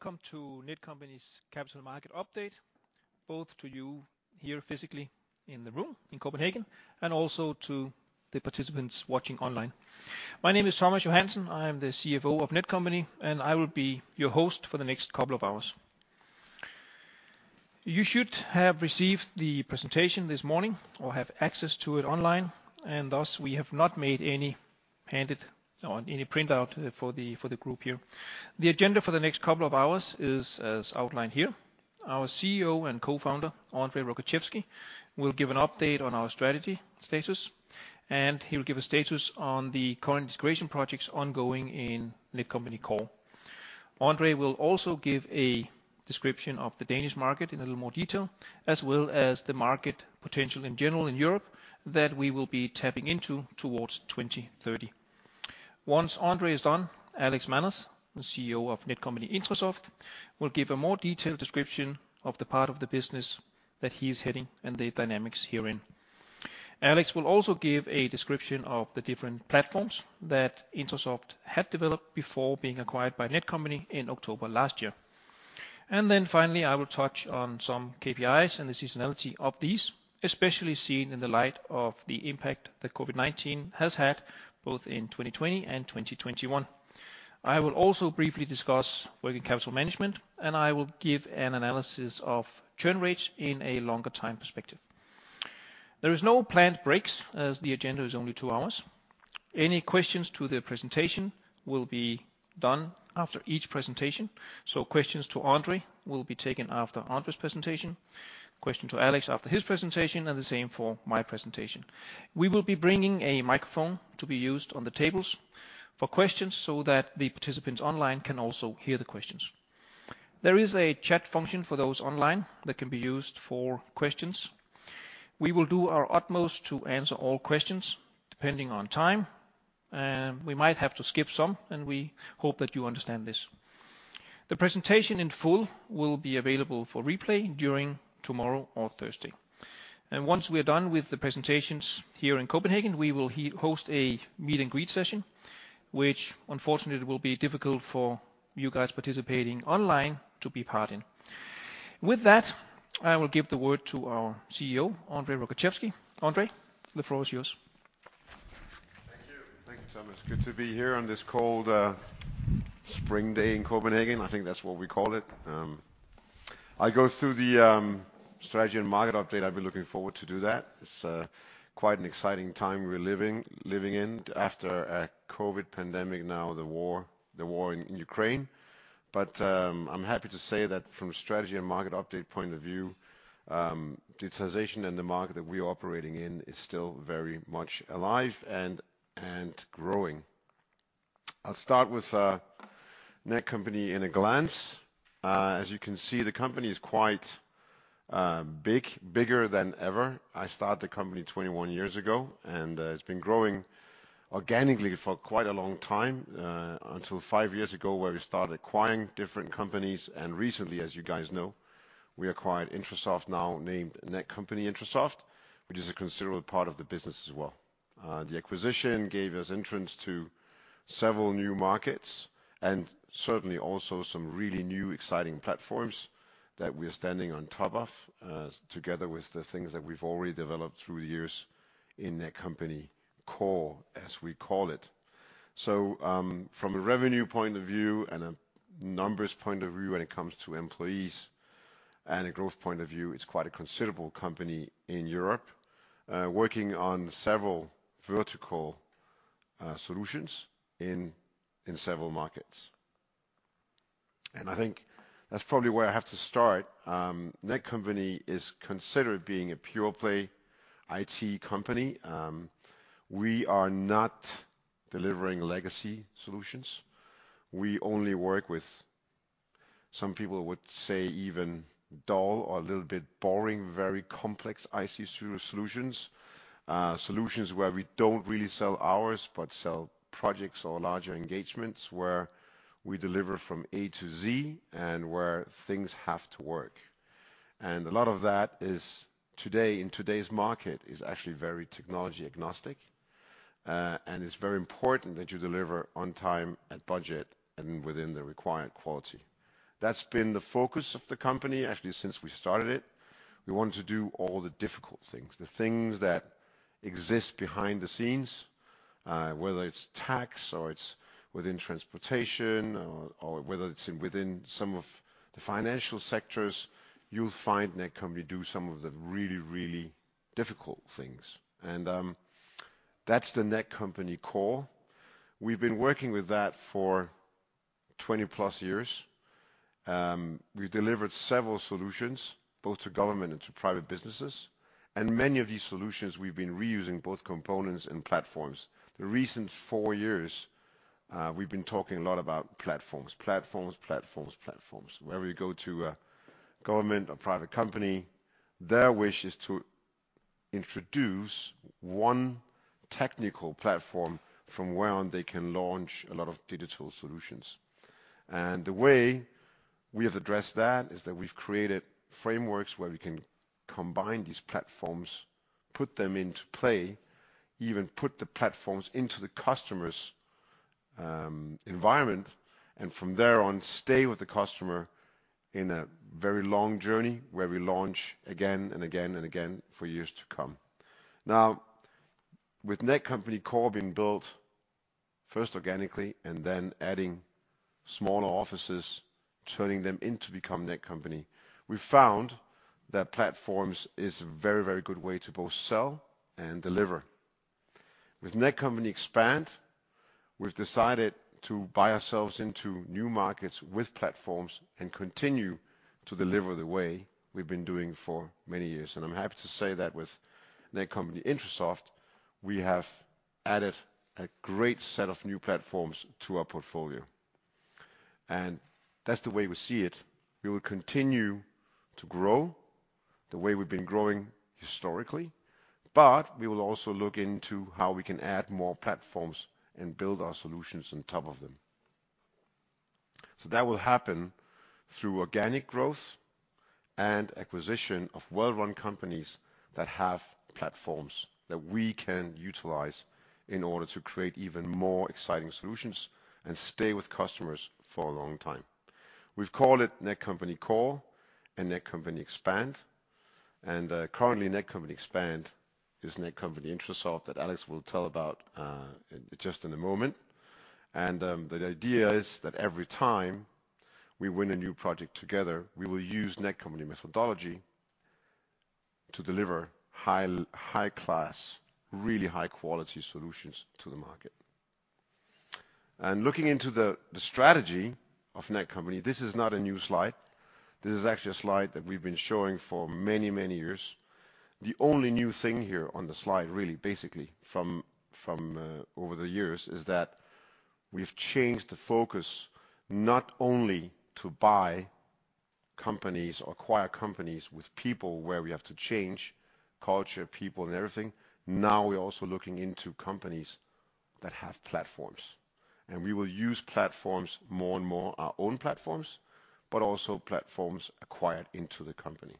Welcome to Netcompany's Capital Market Update, both to you here physically in the room in Copenhagen, and also to the participants watching online. My name is Thomas Johansen. I am the CFO of Netcompany, and I will be your host for the next couple of hours. You should have received the presentation this morning or have access to it online, and thus we have not made any handout or any printout for the group here. The agenda for the next couple of hours is as outlined here. Our CEO and co-founder, André Rogaczewski, will give an update on our strategy status, and he'll give a status on the current integration projects ongoing in Netcompany Core. André will also give a description of the Danish market in a little more detail, as well as the market potential in general in Europe that we will be tapping into towards 2030. Once Andre is done, Alex Manos, the CEO of Netcompany-Intrasoft, will give a more detailed description of the part of the business that he's heading and the dynamics herein. Alex will also give a description of the different platforms that Intrasoft had developed before being acquired by Netcompany in October last year. Finally, I will touch on some KPIs and the seasonality of these, especially seen in the light of the impact that COVID-19 has had, both in 2020 and 2021. I will also briefly discuss working capital management, and I will give an analysis of churn rates in a longer time perspective. There is no planned breaks as the agenda is only 2 hours. Any questions to the presentation will be done after each presentation. Questions to André will be taken after André's presentation, question to Alex after his presentation, and the same for my presentation. We will be bringing a microphone to be used on the tables for questions so that the participants online can also hear the questions. There is a chat function for those online that can be used for questions. We will do our utmost to answer all questions depending on time. We might have to skip some, and we hope that you understand this. The presentation in full will be available for replay during tomorrow or Thursday. Once we're done with the presentations here in Copenhagen, we will host a meet and greet session, which unfortunately will be difficult for you guys participating online to be part in. With that, I will give the floor to our CEO, André Rogaczewski. André, the floor is yours. Thank you. Thank you, Thomas. Good to be here on this cold spring day in Copenhagen. I think that's what we call it. I'll go through the strategy and market update. I've been looking forward to do that. It's quite an exciting time we're living in after a COVID pandemic, now the war in Ukraine. But I'm happy to say that from a strategy and market update point of view, digitalization and the market that we are operating in is still very much alive and growing. I'll start with Netcompany in a glance. As you can see, the company is quite big, bigger than ever. I started the company 21 years ago, and it's been growing organically for quite a long time until 5 years ago, where we started acquiring different companies. Recently, as you guys know, we acquired Intrasoft, now named Netcompany-Intrasoft, which is a considerable part of the business as well. The acquisition gave us entrance to several new markets and certainly also some really new exciting platforms that we are standing on top of, together with the things that we've already developed through the years in Netcompany Core, as we call it. From a revenue point of view and a numbers point of view when it comes to employees and a growth point of view, it's quite a considerable company in Europe, working on several vertical solutions in several markets. I think that's probably where I have to start. Netcompany is considered being a pure play IT company. We are not delivering legacy solutions. We only work with, some people would say even dull or a little bit boring, very complex IT solutions. Solutions where we don't really sell hours, but sell projects or larger engagements, where we deliver from A to Z and where things have to work. A lot of that is today, in today's market, actually very technology agnostic. It's very important that you deliver on time, on budget, and within the required quality. That's been the focus of the company actually, since we started it. We want to do all the difficult things, the things that exist behind the scenes, whether it's tax or it's within transportation or whether it's within some of the financial sectors, you'll find Netcompany do some of the really, really difficult things. That's the Netcompany Core. We've been working with that for 20-plus years. We've delivered several solutions both to government and to private businesses, and many of these solutions we've been reusing both components and platforms. The recent four years, we've been talking a lot about platforms. Wherever you go to a government or private company, their wish is to introduce one technical platform from where on they can launch a lot of digital solutions. The way we have addressed that is that we've created frameworks where we can combine these platforms, put them into play. Even put the platforms into the customer's environment, and from there on, stay with the customer in a very long journey where we launch again and again for years to come. Now, with Netcompany Core being built first organically and then adding smaller offices, turning them into become Netcompany, we found that platforms is a very, very good way to both sell and deliver. With Netcompany Expand, we've decided to buy ourselves into new markets with platforms and continue to deliver the way we've been doing for many years. I'm happy to say that with Netcompany-Intrasoft, we have added a great set of new platforms to our portfolio. That's the way we see it. We will continue to grow the way we've been growing historically, but we will also look into how we can add more platforms and build our solutions on top of them. That will happen through organic growth and acquisition of well-run companies that have platforms that we can utilize in order to create even more exciting solutions and stay with customers for a long time. We've called it Netcompany Core and Netcompany Expand, and currently Netcompany Expand is Netcompany-Intrasoft that Alex will tell about just in a moment. The idea is that every time we win a new project together, we will use Netcompany methodology to deliver high-class, really high-quality solutions to the market. Looking into the strategy of Netcompany, this is not a new slide. This is actually a slide that we've been showing for many, many years. The only new thing here on the slide, really basically from over the years is that we've changed the focus not only to buy companies or acquire companies with people where we have to change culture, people and everything. Now, we're also looking into companies that have platforms, and we will use platforms more and more, our own platforms, but also platforms acquired into the company.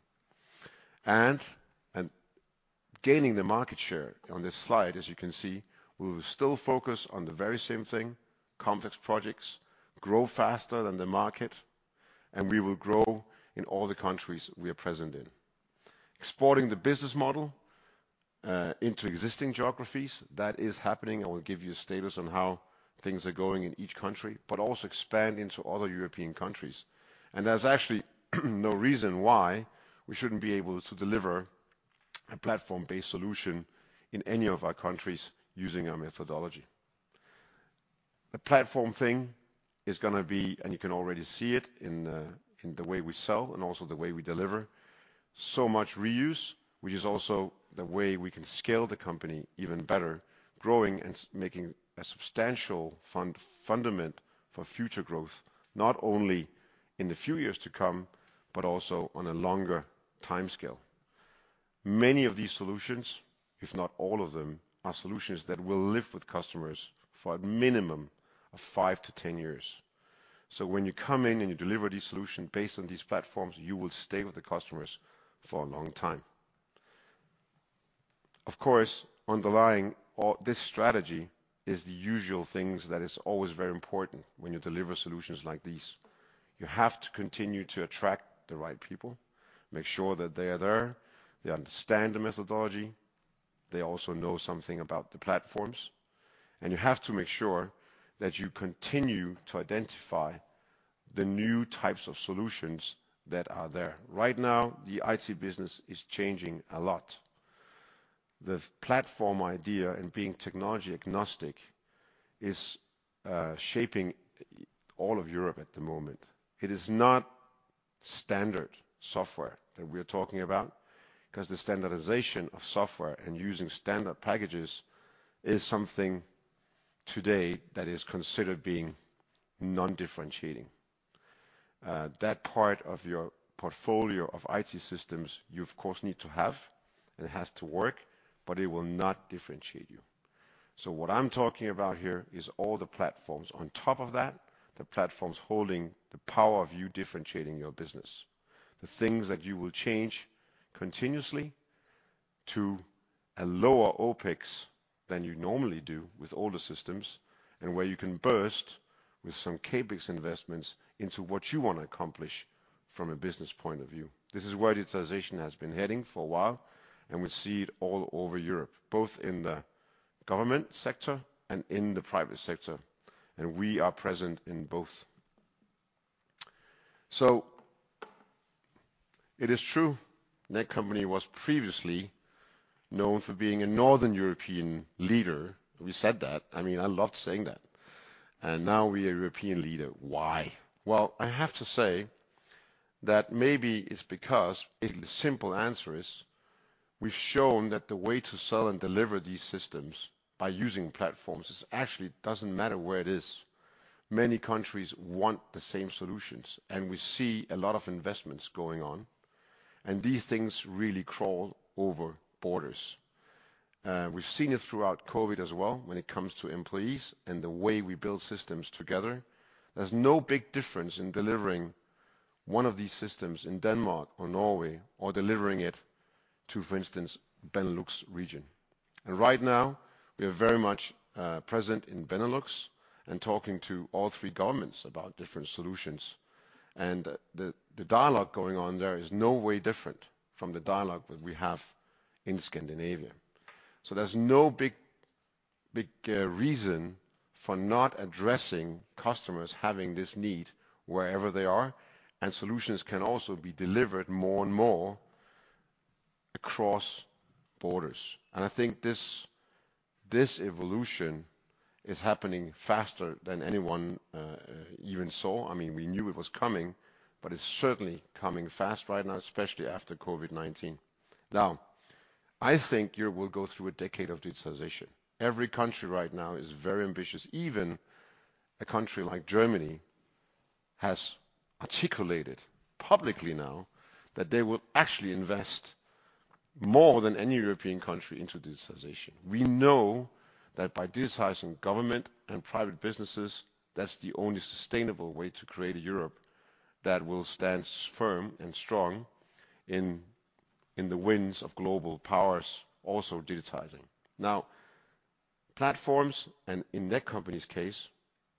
Gaining the market share on this slide, as you can see, we will still focus on the very same thing. Complex projects grow faster than the market, and we will grow in all the countries we are present in. Exporting the business model into existing geographies, that is happening. I will give you a status on how things are going in each country, but also expand into other European countries. There's actually no reason why we shouldn't be able to deliver a platform-based solution in any of our countries using our methodology. The platform thing is gonna be, and you can already see it in the way we sell and also the way we deliver so much reuse, which is also the way we can scale the company even better, growing and making a substantial fundament for future growth, not only in the few years to come, but also on a longer timescale. Many of these solutions, if not all of them, are solutions that will live with customers for a minimum of five to ten years. When you come in and you deliver these solution based on these platforms, you will stay with the customers for a long time. Of course, underlying all this strategy is the usual things that is always very important when you deliver solutions like these. You have to continue to attract the right people, make sure that they are there, they understand the methodology, they also know something about the platforms, and you have to make sure that you continue to identify the new types of solutions that are there. Right now, the IT business is changing a lot. The platform idea and being technology agnostic is shaping all of Europe at the moment. It is not standard software that we're talking about because the standardization of software and using standard packages is something today that is considered being non-differentiating. That part of your portfolio of IT systems you of course need to have and it has to work, but it will not differentiate you. What I'm talking about here is all the platforms on top of that, the platforms holding the power of you differentiating your business, the things that you will change continuously to a lower OPEX than you normally do with older systems, and where you can burst with some CapEx investments into what you wanna accomplish from a business point of view. This is where digitization has been heading for a while, and we see it all over Europe, both in the government sector and in the private sector, and we are present in both. It is true, Netcompany was previously known for being a Northern European leader. We said that. I mean, I loved saying that. Now we are a European leader. Why? Well, I have to say that maybe it's because a simple answer is we've shown that the way to sell and deliver these systems by using platforms is actually doesn't matter where it is. Many countries want the same solutions, and we see a lot of investments going on, and these things really crawl over borders. We've seen it throughout COVID as well when it comes to employees and the way we build systems together. There's no big difference in delivering one of these systems in Denmark or Norway or delivering it to, for instance, Benelux region. Right now we are very much present in Benelux and talking to all three governments about different solutions. The dialogue going on there is no way different from the dialogue that we have in Scandinavia. There's no big reason for not addressing customers having this need wherever they are, and solutions can also be delivered more and more across borders. I think this evolution is happening faster than anyone even saw. I mean, we knew it was coming, but it's certainly coming fast right now, especially after COVID-19. Now, I think Europe will go through a decade of digitization. Every country right now is very ambitious. Even a country like Germany has articulated publicly now that they will actually invest more than any European country into digitization. We know that by digitizing government and private businesses, that's the only sustainable way to create a Europe that will stand firm and strong in the winds of global powers also digitizing. Now, platforms and in Netcompany's case,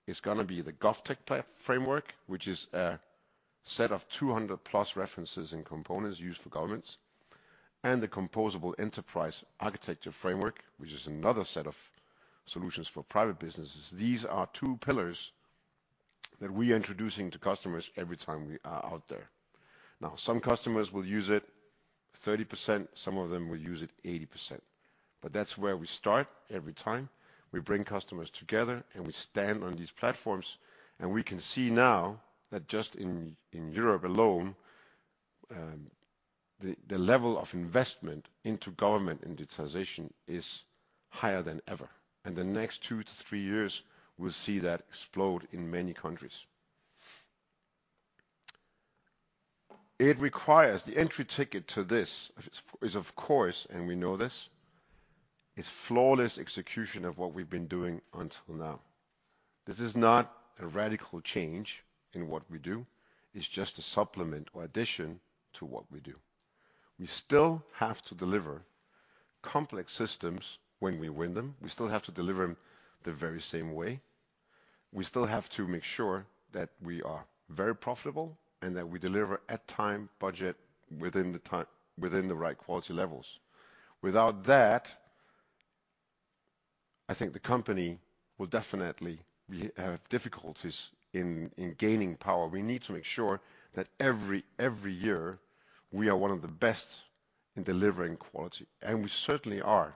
it's gonna be the GovTech Framework, which is a set of 200+ references and components used for governments and the composable enterprise architecture framework, which is another set of solutions for private businesses. These are two pillars that we're introducing to customers every time we are out there. Now, some customers will use it 30%, some of them will use it 80%. That's where we start every time. We bring customers together, and we stand on these platforms, and we can see now that just in Europe alone, the level of investment into government and digitization is higher than ever. The next 2-3 years will see that explode in many countries. It requires the entry ticket to this, of course, and we know this is flawless execution of what we've been doing until now. This is not a radical change in what we do. It's just a supplement or addition to what we do. We still have to deliver complex systems when we win them. We still have to deliver them the very same way. We still have to make sure that we are very profitable and that we deliver on time, on budget, within the right quality levels. Without that, I think the company will definitely have difficulties in gaining power. We need to make sure that every year we are one of the best in delivering quality, and we certainly are.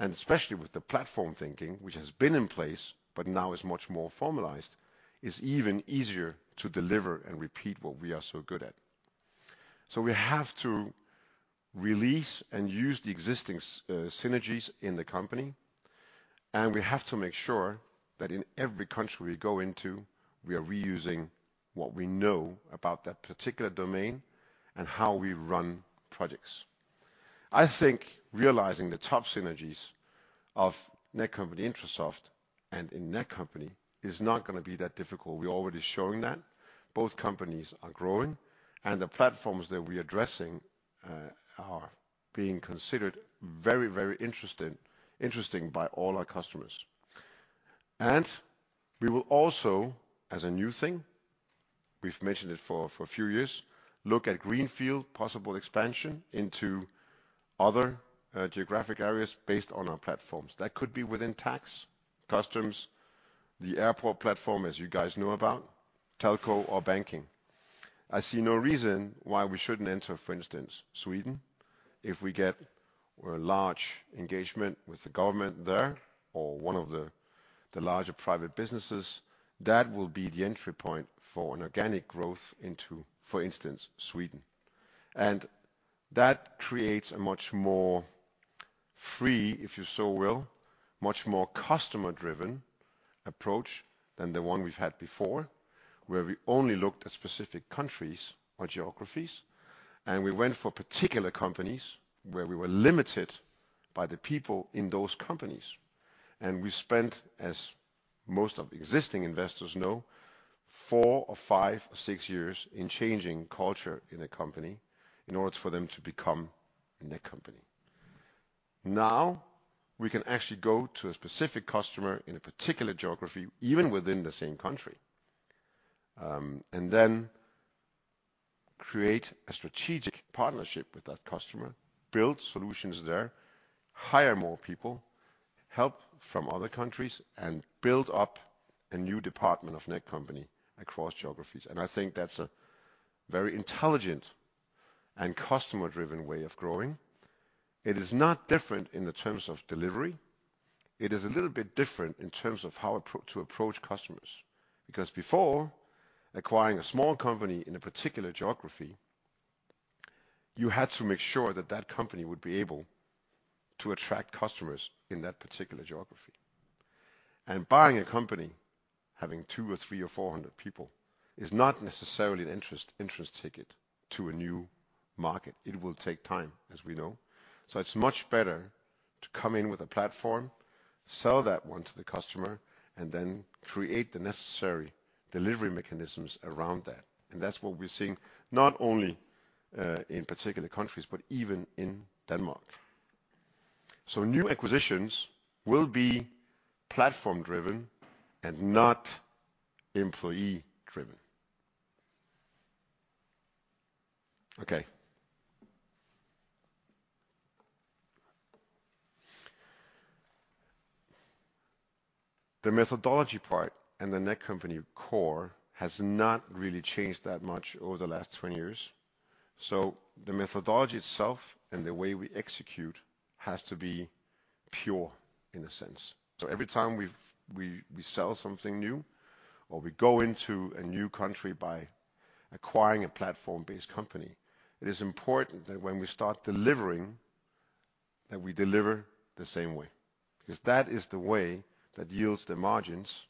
Especially with the platform thinking, which has been in place but now is much more formalized, it's even easier to deliver and repeat what we are so good at. We have to release and use the existing synergies in the company, and we have to make sure that in every country we go into, we are reusing what we know about that particular domain and how we run projects. I think realizing the top synergies of Netcompany-Intrasoft and in Netcompany is not gonna be that difficult. We're already showing that. Both companies are growing, and the platforms that we're addressing are being considered very interesting by all our customers. We will also, as a new thing, we've mentioned it for a few years, look at greenfield possible expansion into other geographic areas based on our platforms. That could be within tax, customs, the airport platform, as you guys know about, telco or banking. I see no reason why we shouldn't enter, for instance, Sweden, if we get a large engagement with the government there or one of the larger private businesses. That will be the entry point for an organic growth into, for instance, Sweden. That creates a much more free, if you so will, much more customer-driven approach than the one we've had before, where we only looked at specific countries or geographies, and we went for particular companies where we were limited by the people in those companies. We spent, as most of existing investors know, 4 or 5 or 6 years in changing culture in a company in order for them to become Netcompany. Now, we can actually go to a specific customer in a particular geography, even within the same country, and then create a strategic partnership with that customer, build solutions there, hire more people, help from other countries, and build up a new department of Netcompany across geographies. I think that's a very intelligent and customer-driven way of growing. It is not different in the terms of delivery. It is a little bit different in terms of how to approach customers, because before acquiring a small company in a particular geography, you had to make sure that that company would be able to attract customers in that particular geography. Buying a company having 200 or 300 or 400 people is not necessarily an interest ticket to a new market. It will take time, as we know. It's much better to come in with a platform, sell that one to the customer, and then create the necessary delivery mechanisms around that. That's what we're seeing, not only in particular countries, but even in Denmark. New acquisitions will be platform-driven and not employee-driven. Okay. The methodology part and the Netcompany Core has not really changed that much over the last 20 years. The methodology itself and the way we execute has to be pure in a sense. Every time we sell something new or we go into a new country by acquiring a platform-based company, it is important that when we start delivering, that we deliver the same way, because that is the way that yields the margins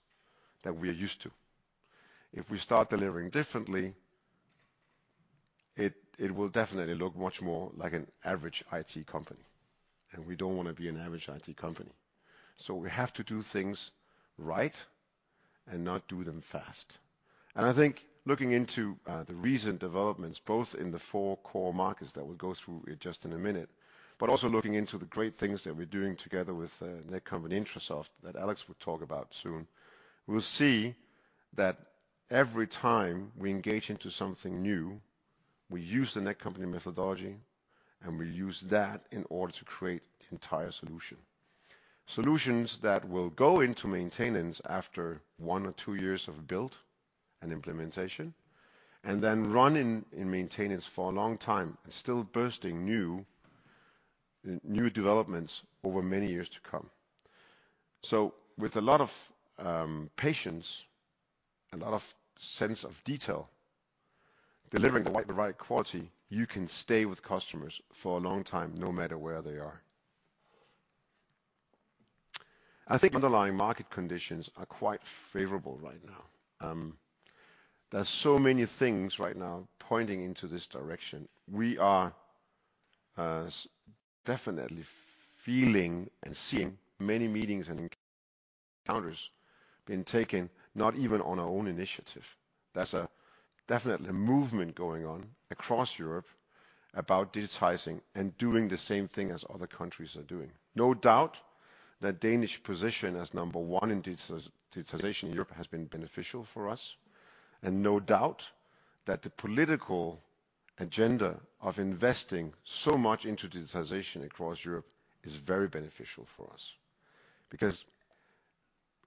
that we are used to. If we start delivering differently, it will definitely look much more like an average IT company, and we don't wanna be an average IT company. We have to do things right and not do them fast. I think looking into the recent developments, both in the four core markets that we'll go through in just a minute, but also looking into the great things that we're doing together with Netcompany-Intrasoft that Alex will talk about soon. We'll see that every time we engage into something new, we use the Netcompany methodology, and we use that in order to create the entire solution. Solutions that will go into maintenance after one or two years of build and implementation, and then run in maintenance for a long time and still bursting new developments over many years to come. With a lot of patience, a lot of sense of detail, delivering the right quality, you can stay with customers for a long time no matter where they are. I think underlying market conditions are quite favorable right now. There's so many things right now pointing into this direction. We are definitely feeling and seeing many meetings and encounters being taken, not even on our own initiative. There's definitely a movement going on across Europe about digitizing and doing the same thing as other countries are doing. No doubt that Danish position as number one in digitization in Europe has been beneficial for us, and no doubt that the political agenda of investing so much into digitization across Europe is very beneficial for us. Because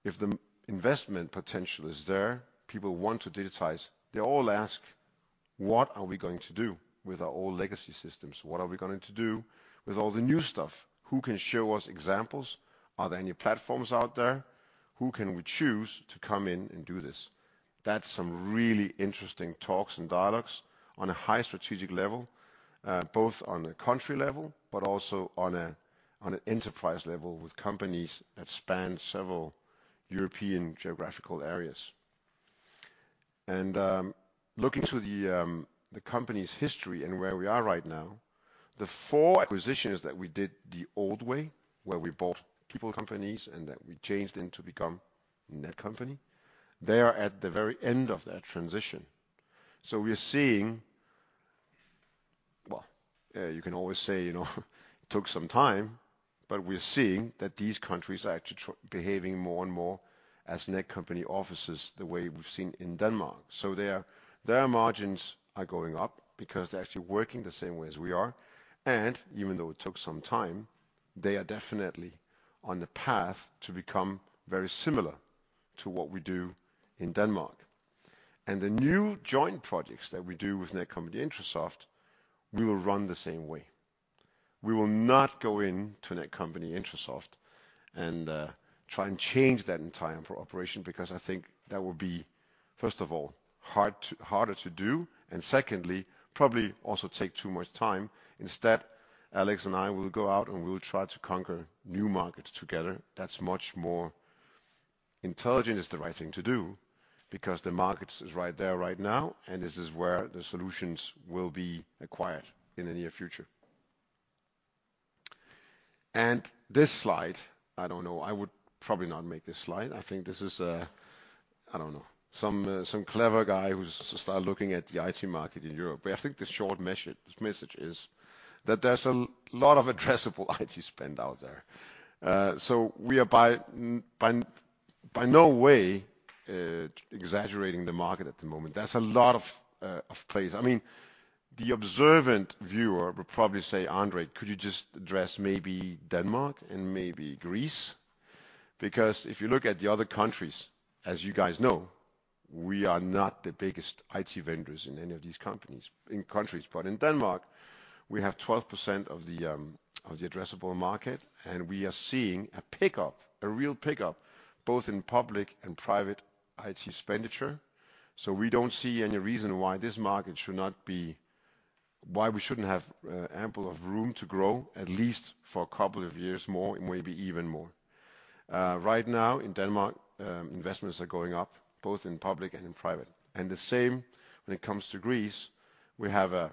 if the investment potential is there, people want to digitize, they all ask, "What are we going to do with our old legacy systems? What are we going to do with all the new stuff? Who can show us examples? Are there any platforms out there? Who can we choose to come in and do this?" That's some really interesting talks and dialogues on a high strategic level, both on a country level, but also on an enterprise level with companies that span several European geographical areas. Looking through the company's history and where we are right now, the four acquisitions that we did the old way, where we bought people companies and that we changed them to become Netcompany, they are at the very end of that transition. We're seeing, well, yeah, you can always say, you know, it took some time, but we're seeing that these countries are actually behaving more and more as Netcompany offices the way we've seen in Denmark. So their margins are going up because they're actually working the same way as we are. Even though it took some time, they are definitely on the path to become very similar to what we do in Denmark. The new joint projects that we do with Netcompany-Intrasoft, we will run the same way. We will not go into Netcompany-Intrasoft and try and change that entire operation because I think that would be, first of all, harder to do, and secondly, probably also take too much time. Instead, Alex and I will go out, and we will try to conquer new markets together. That's much more intelligent. It's the right thing to do because the markets is right there right now, and this is where the solutions will be acquired in the near future. This slide, I don't know, I would probably not make this slide. I think this is, I don't know, some clever guy who's started looking at the IT market in Europe. I think the short message is that there's a lot of addressable IT spend out there. So we are by no means exaggerating the market at the moment. There's a lot of plays. I mean, the observant viewer will probably say, "André, could you just address maybe Denmark and maybe Greece?" Because if you look at the other countries, as you guys know, we are not the biggest IT vendors in any of these countries. In Denmark, we have 12% of the addressable market, and we are seeing a pickup, a real pickup, both in public and private IT expenditure. We don't see any reason why we shouldn't have ample room to grow, at least for a couple of years more and maybe even more. Right now in Denmark, investments are going up, both in public and in private. The same when it comes to Greece. We have a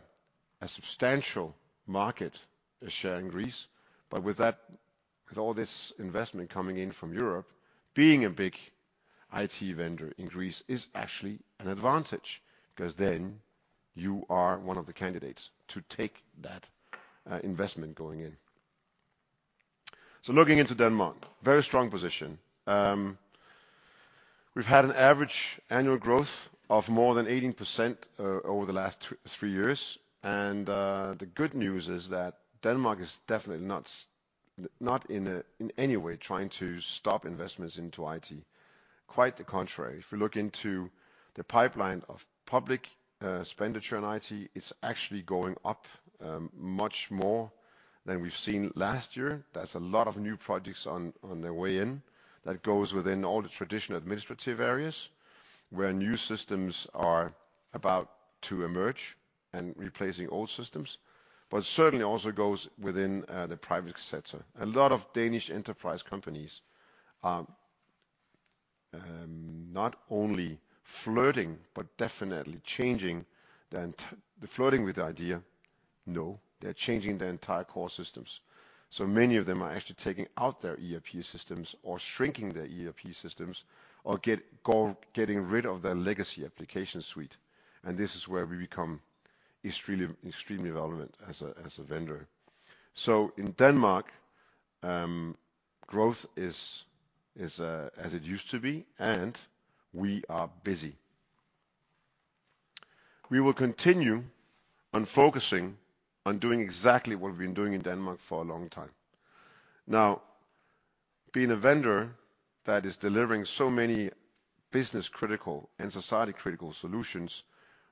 substantial market share in Greece. With that, with all this investment coming in from Europe, being a big IT vendor in Greece is actually an advantage, because then you are one of the candidates to take that investment going in. Looking into Denmark, very strong position. We've had an average annual growth of more than 18% over the last three years. The good news is that Denmark is definitely not in any way trying to stop investments into IT. Quite the contrary. If you look into the pipeline of public expenditure in IT, it's actually going up much more than we've seen last year. There's a lot of new projects on their way in that goes within all the traditional administrative areas, where new systems are about to emerge and replacing old systems. But certainly also goes within the private sector. A lot of Danish enterprise companies are not only flirting, but definitely changing. They're flirting with the idea. No, they're changing their entire core systems. Many of them are actually taking out their ERP systems or shrinking their ERP systems or getting rid of their legacy application suite. This is where we become extremely relevant as a vendor. In Denmark, growth is as it used to be, and we are busy. We will continue on focusing on doing exactly what we've been doing in Denmark for a long time. Now, being a vendor that is delivering so many business-critical and society-critical solutions,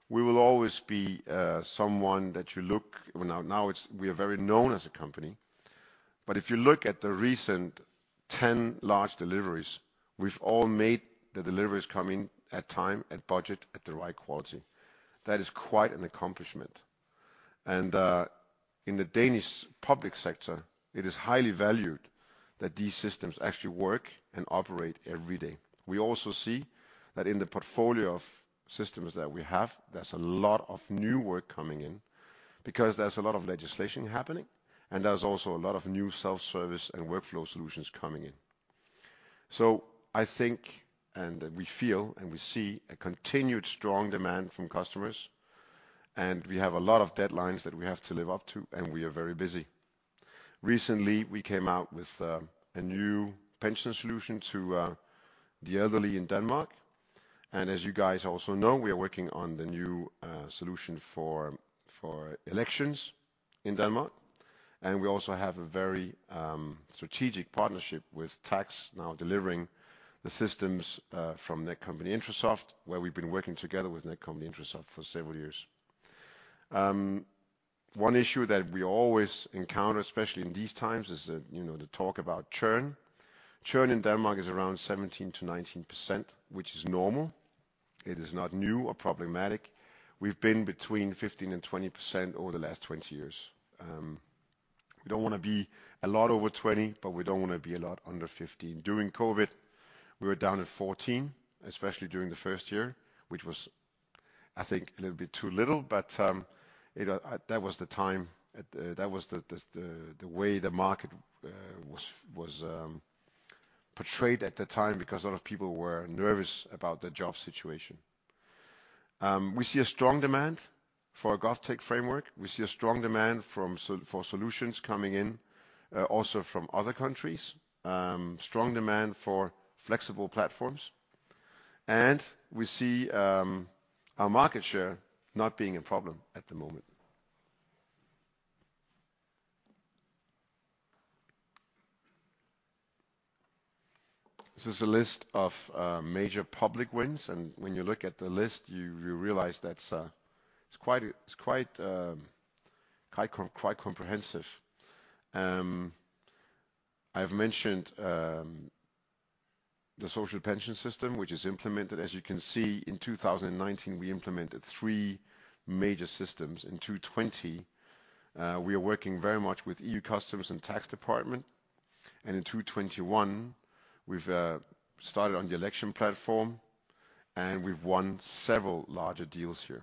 we will always be someone that you look to. Well, now it's we are very known as a company. If you look at the recent 10 large deliveries, we've made all the deliveries come in on time, on budget, at the right quality. That is quite an accomplishment. In the Danish public sector, it is highly valued that these systems actually work and operate every day. We also see that in the portfolio of systems that we have, there's a lot of new work coming in because there's a lot of legislation happening, and there's also a lot of new self-service and workflow solutions coming in. I think, and we feel, and we see a continued strong demand from customers, and we have a lot of deadlines that we have to live up to, and we are very busy. Recently, we came out with a new pension solution to the elderly in Denmark. As you guys also know, we are working on the new solution for elections in Denmark. We also have a very strategic partnership with TAXUD delivering the systems from Netcompany-Intrasoft, where we've been working together with Netcompany-Intrasoft for several years. One issue that we always encounter, especially in these times, is, you know, the talk about churn. Churn in Denmark is around 17%-19%, which is normal. It is not new or problematic. We've been between 15%-20% over the last 20 years. We don't want to be a lot over 20%, but we don't want to be a lot under 15%. During COVID, we were down at 14%, especially during the first year, which was, I think, a little bit too little. That was the time that was the way the market was portrayed at the time because a lot of people were nervous about their job situation. We see a strong demand for a GovTech Framework. We see a strong demand for solutions coming in, also from other countries. Strong demand for flexible platforms. We see our market share not being a problem at the moment. This is a list of major public wins. When you look at the list, you realize that's quite comprehensive. I've mentioned the social pension system, which is implemented. As you can see, in 2019, we implemented 3 major systems. In 2020, we are working very much with EU customers and tax department. In 2021, we've started on the election platform, and we've won several larger deals here.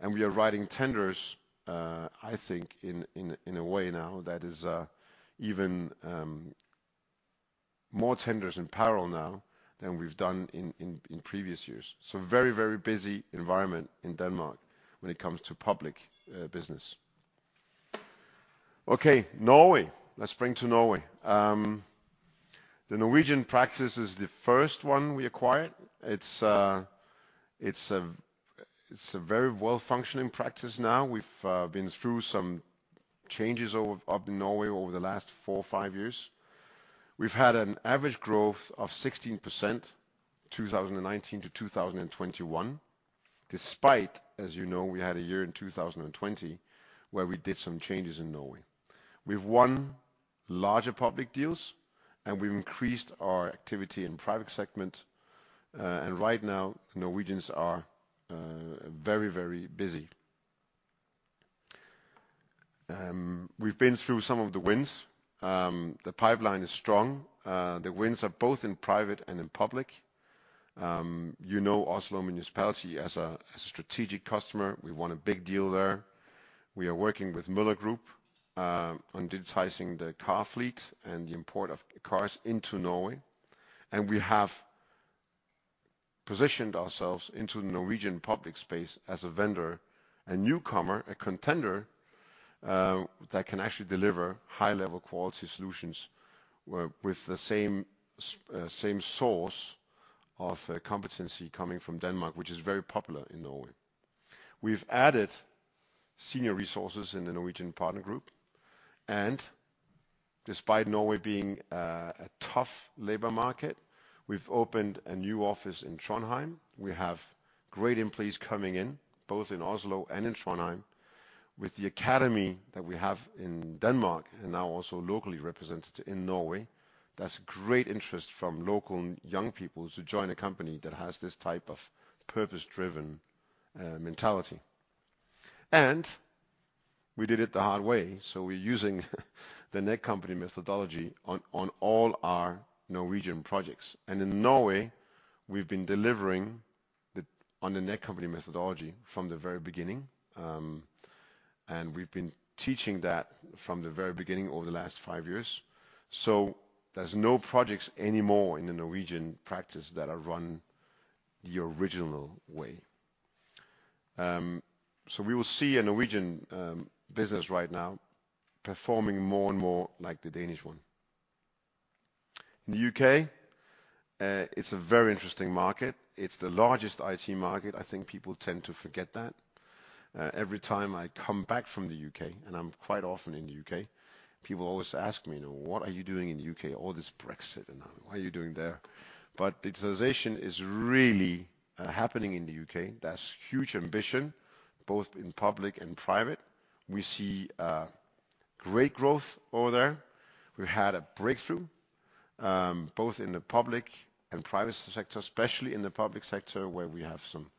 We are writing tenders, I think in a way now that is even more tenders in parallel now than we've done in previous years. Very busy environment in Denmark when it comes to public business. Okay, Norway. Let's turn to Norway. The Norwegian practice is the first one we acquired. It's a very well-functioning practice now. We've been through some changes up in Norway over the last four or five years. We've had an average growth of 16% 2019 to 2021, despite, as you know, we had a year in 2020 where we did some changes in Norway. We've won larger public deals, and we've increased our activity in private segment. Right now, Norwegians are very busy. We've been through some of the wins. The pipeline is strong. The wins are both in private and in public. You know Oslo Municipality as a strategic customer. We won a big deal there. We are working with Møller Mobility Group on digitizing the car fleet and the import of cars into Norway. We have positioned ourselves into the Norwegian public space as a vendor, a newcomer, a contender, that can actually deliver high-level quality solutions with the same source of competency coming from Denmark, which is very popular in Norway. We've added senior resources in the Norwegian partner group. Despite Norway being a tough labor market, we've opened a new office in Trondheim. We have great employees coming in, both in Oslo and in Trondheim. With the academy that we have in Denmark and now also locally represented in Norway, there's great interest from local young people to join a company that has this type of purpose-driven mentality. We did it the hard way, so we're using the Netcompany methodology on all our Norwegian projects. In Norway, we've been delivering on the Netcompany methodology from the very beginning. We've been teaching that from the very beginning over the last five years. There's no projects anymore in the Norwegian practice that are run the original way. We will see a Norwegian business right now performing more and more like the Danish one. In the U.K., it's a very interesting market. It's the largest IT market. I think people tend to forget that. Every time I come back from the U.K., and I'm quite often in the U.K., people always ask me, you know, "What are you doing in the U.K.? All this Brexit and what are you doing there?" Digitalization is really happening in the U.K. There's huge ambition, both in public and private. We see great growth over there. We've had a breakthrough both in the public and private sector, especially in the public sector, where we have some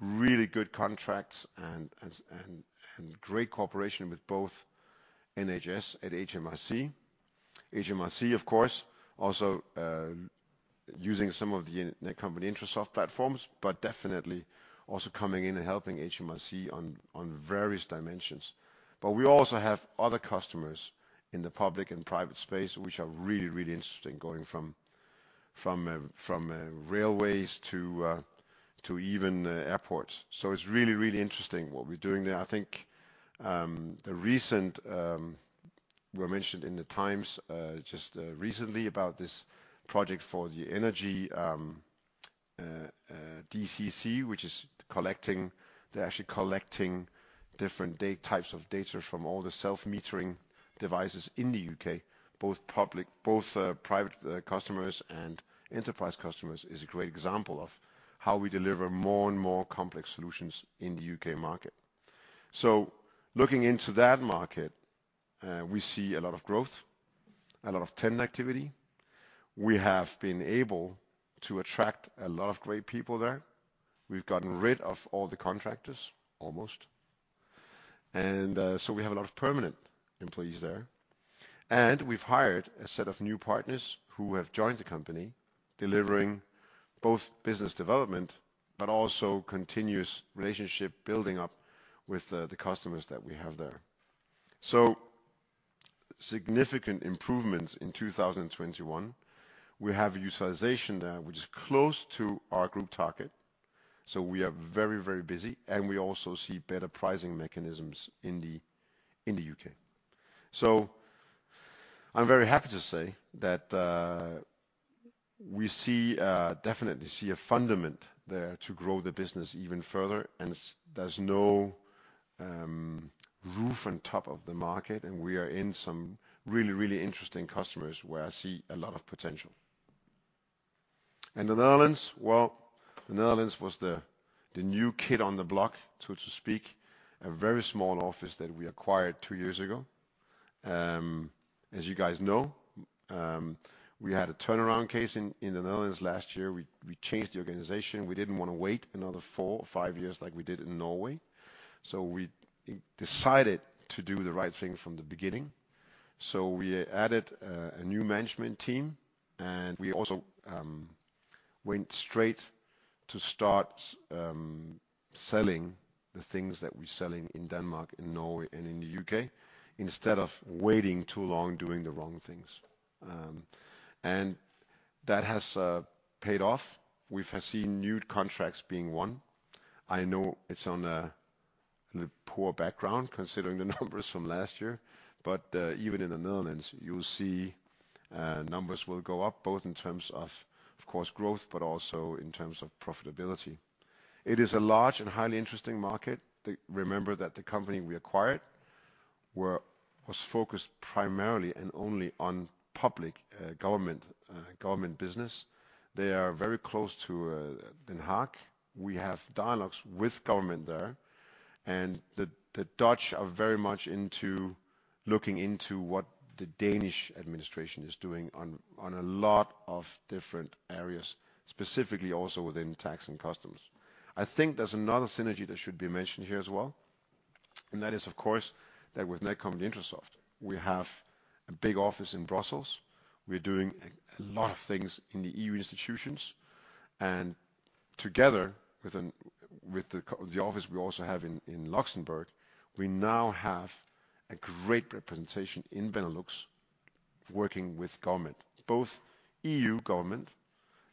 really good contracts and great cooperation with both NHS and HMRC. HMRC, of course, also using some of the Netcompany-Intrasoft platforms, but definitely also coming in and helping HMRC on various dimensions. We also have other customers in the public and private space which are really interesting, going from railways to even airports. It's really interesting what we're doing there. I think we're mentioned in The Times just recently about this project for the energy DCC, which is collecting. They're actually collecting different types of data from all the self-metering devices in the U.K., both public and private customers and enterprise customers, is a great example of how we deliver more and more complex solutions in the U.K. market. Looking into that market, we see a lot of growth, a lot of tender activity. We have been able to attract a lot of great people there. We've gotten rid of all the contractors, almost. We have a lot of permanent employees there. We've hired a set of new partners who have joined the company, delivering both business development, but also continuous relationship building up with the customers that we have there. Significant improvements in 2021. We have utilization there which is close to our group target, so we are very, very busy, and we also see better pricing mechanisms in the U.K. I'm very happy to say that we definitely see a fundament there to grow the business even further, and there's no roof on top of the market, and we are in some really, really interesting customers where I see a lot of potential. The Netherlands, well, the Netherlands was the new kid on the block, so to speak, a very small office that we acquired two years ago. As you guys know, we had a turnaround case in the Netherlands last year. We changed the organization. We didn't wanna wait another four or five years like we did in Norway. We decided to do the right thing from the beginning. We added a new management team, and we also went straight to start selling the things that we're selling in Denmark, in Norway, and in the U.K., instead of waiting too long doing the wrong things. That has paid off. We've seen new contracts being won. I know it's on a poor background considering the numbers from last year. Even in the Netherlands, you'll see numbers will go up, both in terms of course, growth, but also in terms of profitability. It is a large and highly interesting market. Remember that the company we acquired was focused primarily and only on public government business. They are very close to Den Haag. We have dialogues with government there. The Dutch are very much into looking into what the Danish administration is doing on a lot of different areas, specifically also within tax and customs. I think there's another synergy that should be mentioned here as well, and that is, of course, that with Netcompany-Intrasoft, we have a big office in Brussels. We're doing a lot of things in the EU institutions, and together with the office we also have in Luxembourg, we now have a great representation in Benelux working with government, both EU government,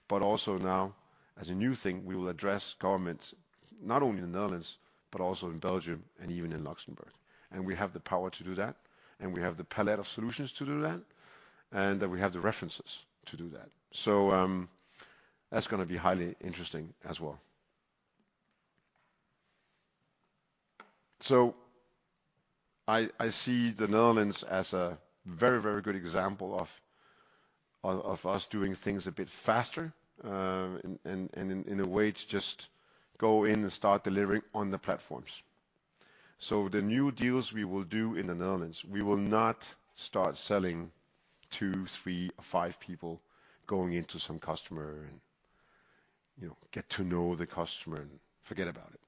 but also now, as a new thing, we will address governments not only in the Netherlands but also in Belgium and even in Luxembourg. We have the power to do that, and we have the palette of solutions to do that, and we have the references to do that. That's gonna be highly interesting as well. I see the Netherlands as a very, very good example of us doing things a bit faster, and in a way to just go in and start delivering on the platforms. The new deals we will do in the Netherlands, we will not start selling two, three, or five people going into some customer and, you know, get to know the customer and forget about it.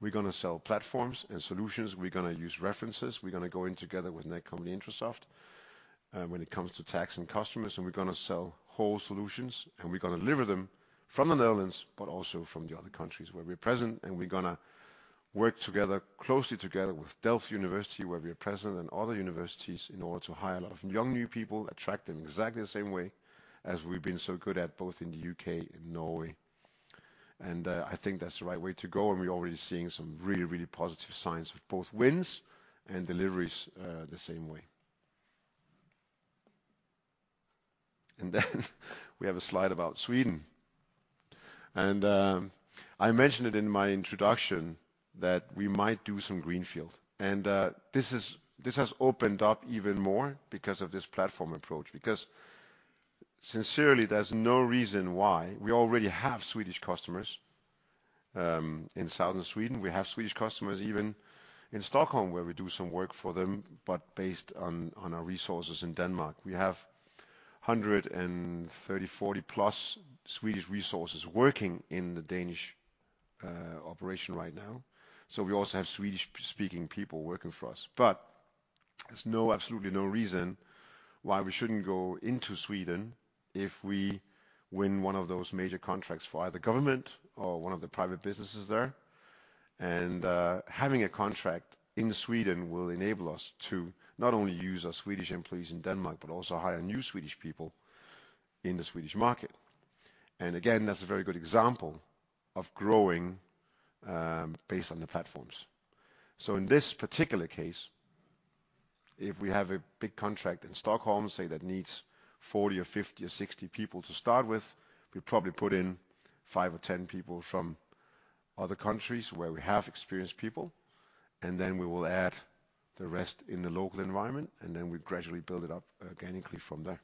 We're gonna sell platforms and solutions, we're gonna use references, we're gonna go in together with Netcompany-Intrasoft, when it comes to tax and customs, and we're gonna sell whole solutions, and we're gonna deliver them from the Netherlands but also from the other countries where we're present. We're gonna work together, closely together with Delft University, where we are present, and other universities in order to hire a lot of young, new people, attract them in exactly the same way as we've been so good at, both in the U.K. and Norway. I think that's the right way to go, and we're already seeing some really, really positive signs of both wins and deliveries, the same way. We have a slide about Sweden. I mentioned it in my introduction that we might do some greenfield. This has opened up even more because of this platform approach. Because sincerely, there's no reason why. We already have Swedish customers in southern Sweden. We have Swedish customers even in Stockholm, where we do some work for them, but based on our resources in Denmark. We have 130-140+ Swedish resources working in the Danish operation right now. We also have Swedish-speaking people working for us. There's no, absolutely no reason why we shouldn't go into Sweden if we win one of those major contracts for either government or one of the private businesses there. Having a contract in Sweden will enable us to not only use our Swedish employees in Denmark but also hire new Swedish people in the Swedish market. Again, that's a very good example of growing based on the platforms. In this particular case, if we have a big contract in Stockholm, say, that needs 40 or 50 or 60 people to start with, we probably put in 5 or 10 people from other countries where we have experienced people, and then we will add the rest in the local environment, and then we gradually build it up organically from there.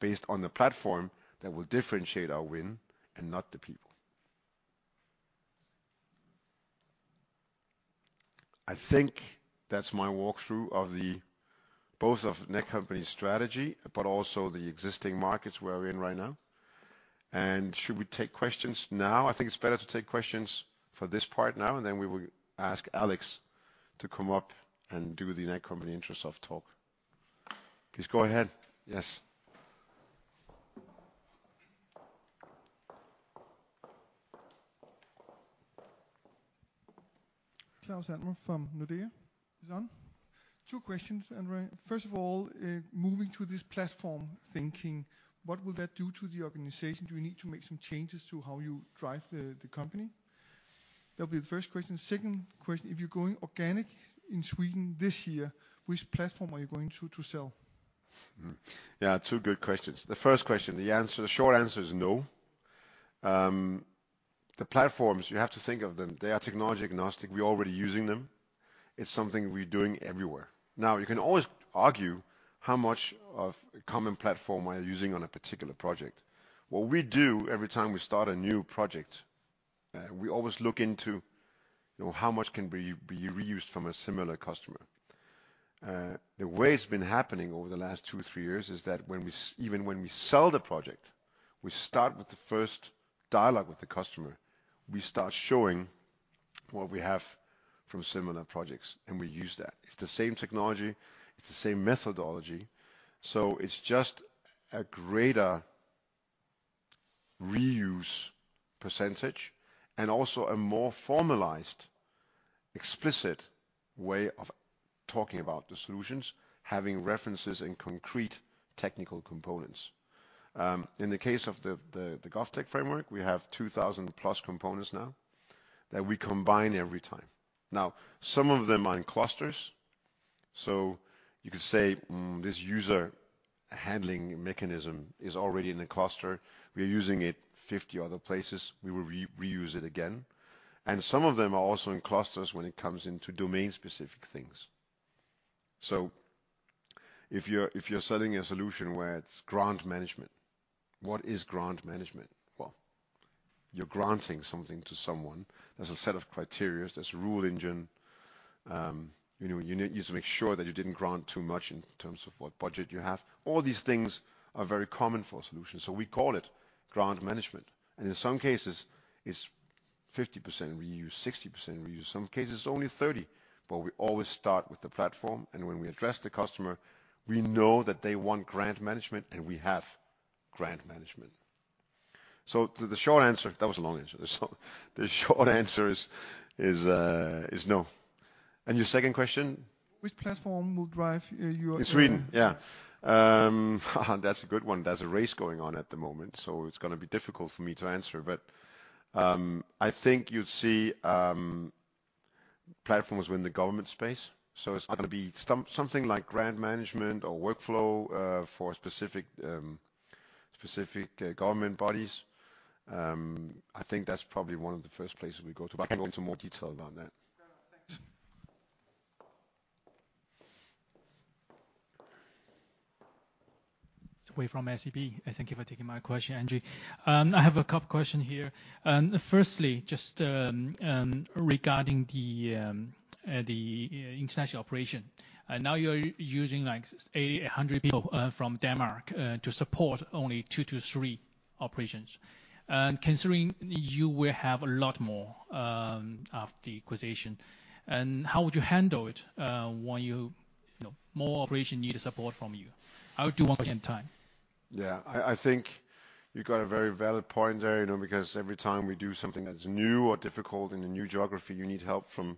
Based on the platform that will differentiate our win and not the people. I think that's my walkthrough of the, both of Netcompany's strategy but also the existing markets where we're in right now. Should we take questions now? I think it's better to take questions for this part now, and then we will ask Alex to come up and do the Netcompany-Intrasoft talk. Please go ahead. Yes. Claus Almer from Nordea is on. Two questions, Andre. First of all, moving to this platform thinking, what will that do to the organization? Do you need to make some changes to how you drive the company? That'll be the first question. Second question, if you're going organic in Sweden this year, which platform are you going to sell? Yeah, two good questions. The first question, the answer, the short answer is no. The platforms, you have to think of them, they are technology agnostic. We're already using them. It's something we're doing everywhere. Now, you can always argue how much of a common platform we are using on a particular project. What we do every time we start a new project, we always look into, you know, how much can be reused from a similar customer. The way it's been happening over the last two, three years is that even when we sell the project, we start with the first dialogue with the customer. We start showing what we have from similar projects, and we use that. It's the same technology. It's the same methodology. It's just a greater reuse percentage and also a more formalized, explicit way of talking about the solutions, having references and concrete technical components. In the case of the GovTech Framework, we have 2000+ components now that we combine every time. Now, some of them are in clusters, so you could say this user handling mechanism is already in a cluster. We're using it 50 other places. We will reuse it again. Some of them are also in clusters when it comes into domain-specific things. If you're selling a solution where it's grant management, what is grant management? Well, you're granting something to someone. There's a set of criteria, there's a rule engine. You know, you need to make sure that you didn't grant too much in terms of what budget you have. All these things are very common for a solution, so we call it grant management. In some cases, it's 50% reuse, 60% reuse. Some cases only 30%, but we always start with the platform, and when we address the customer, we know that they want grant management, and we have grant management. That was a long answer. The short answer is no. Your second question? Which platform will drive your. In Sweden? Yeah. That's a good one. There's a race going on at the moment, so it's gonna be difficult for me to answer. I think you'd see platforms within the government space. It's either gonna be something like grant management or workflow for specific government bodies. I think that's probably one of the first places we go to, but I can go into more detail about that. No, no. Thanks. Wei from SEB. Thank you for taking my question, André. I have a couple question here. Firstly, just regarding the international operation. Now you're using like 80-100 people from Denmark to support only 2-3 operations. Considering you will have a lot more after the acquisition, how would you handle it when you know more operations need support from you? How would you multitask in time? Yeah. I think you got a very valid point there, you know, because every time we do something that is new or difficult in a new geography, you need help from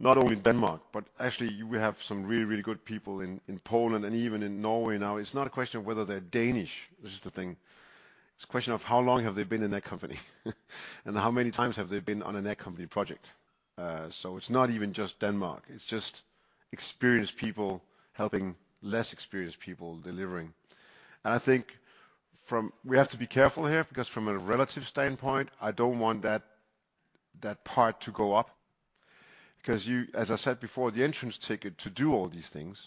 not only Denmark, but actually we have some really, really good people in Poland and even in Norway now. It's not a question of whether they're Danish, this is the thing. It's a question of how long have they been in that company, and how many times have they been on a Netcompany project. It's not even just Denmark, it's just experienced people helping less experienced people delivering. I think from. We have to be careful here, because from a relative standpoint, I don't want that part to go up, because you, as I said before, the entrance ticket to do all these things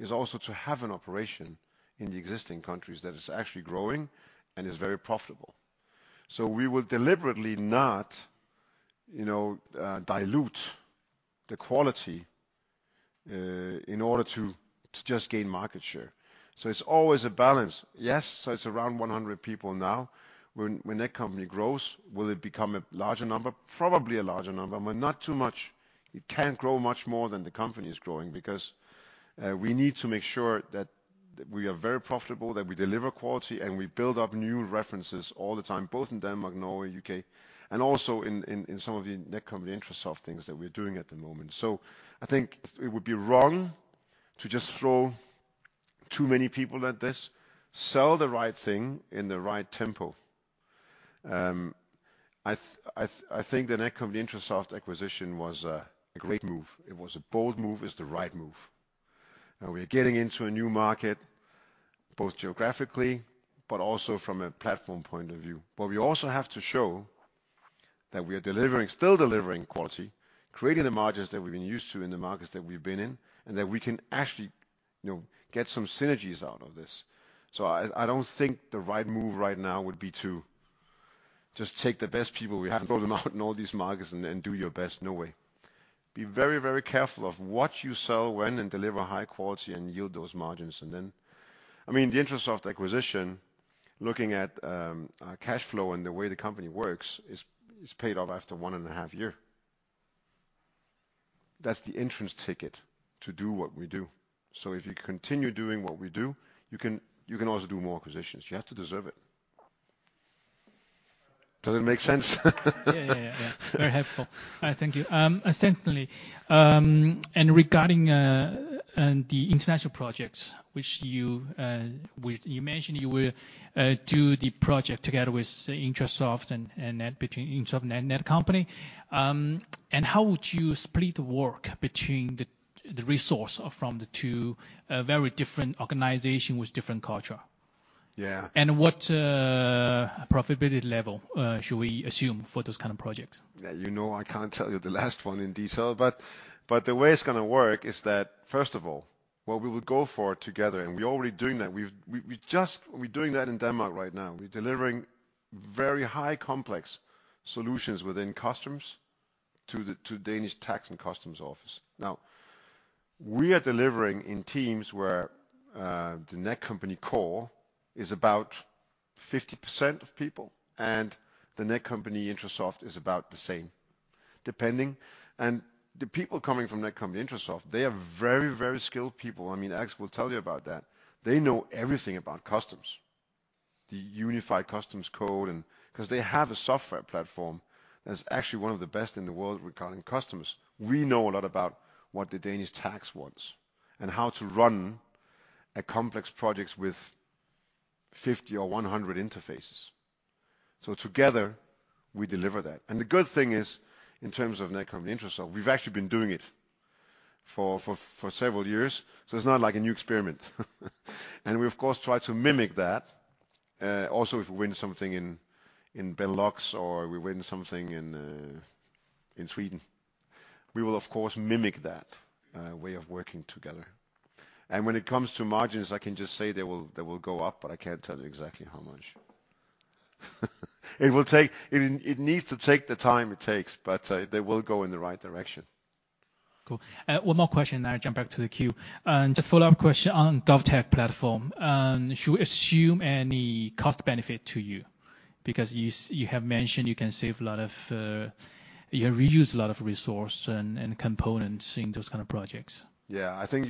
is also to have an operation in the existing countries that is actually growing and is very profitable. We will deliberately not, you know, dilute the quality in order to just gain market share. It's always a balance. Yes, it's around 100 people now. When Netcompany grows, will it become a larger number? Probably a larger number, but not too much. It can't grow much more than the company is growing because we need to make sure that we are very profitable, that we deliver quality, and we build up new references all the time, both in Denmark, Norway, U.K., and also in some of the Netcompany-Intrasoft things that we're doing at the moment. I think it would be wrong to just throw too many people at this. Sell the right thing in the right tempo. I think the Netcompany-Intrasoft acquisition was a great move. It was a bold move. It's the right move. Now we're getting into a new market, both geographically, but also from a platform point of view. We also have to show that we are delivering, still delivering quality, creating the margins that we've been used to in the markets that we've been in, and that we can actually, you know, get some synergies out of this. I don't think the right move right now would be to just take the best people we have and throw them out in all these markets and then do your best. No way. Be very, very careful of what you sell when and deliver high quality and yield those margins. Then, I mean, the Intrasoft acquisition, looking at cash flow and the way the company works is paid off after one and a half year. That's the entrance ticket to do what we do. If you continue doing what we do, you can also do more acquisitions. You have to deserve it. Does it make sense? Yeah. Very helpful. Thank you. Secondly, regarding the international projects which you mentioned you will do the project together with Intrasoft and Netcompany, how would you split the work between the resources from the two very different organizations with different cultures? Yeah. What profitability level should we assume for those kind of projects? Yeah. You know, I can't tell you the last one in detail, but the way it's gonna work is that, first of all, what we will go for together, and we're already doing that. We're doing that in Denmark right now. We're delivering very high complex solutions within customs to the Danish Tax and Customs Office. Now, we are delivering in teams where the Netcompany Core is about 50% of people, and the Netcompany-Intrasoft is about the same, depending. The people coming from Netcompany-Intrasoft, they are very skilled people. I mean, Ax will tell you about that. They know everything about customs, the Union Customs Code, 'cause they have a software platform that's actually one of the best in the world regarding customs. We know a lot about what the Danish tax wants and how to run a complex projects with 50 or 100 interfaces. Together we deliver that. The good thing is, in terms of Netcompany-Intrasoft, we've actually been doing it for several years, so it's not like a new experiment. We of course try to mimic that also if we win something in Benelux or we win something in Sweden. We will of course mimic that way of working together. When it comes to margins, I can just say they will go up, but I can't tell you exactly how much. It needs to take the time it takes, but they will go in the right direction. Cool. One more question, then I jump back to the queue. Just a follow-up question on GovTech platform. Should we assume any cost benefit to you? Because you have mentioned you can save a lot of. You reuse a lot of resource and components in those kind of projects. Yeah. I think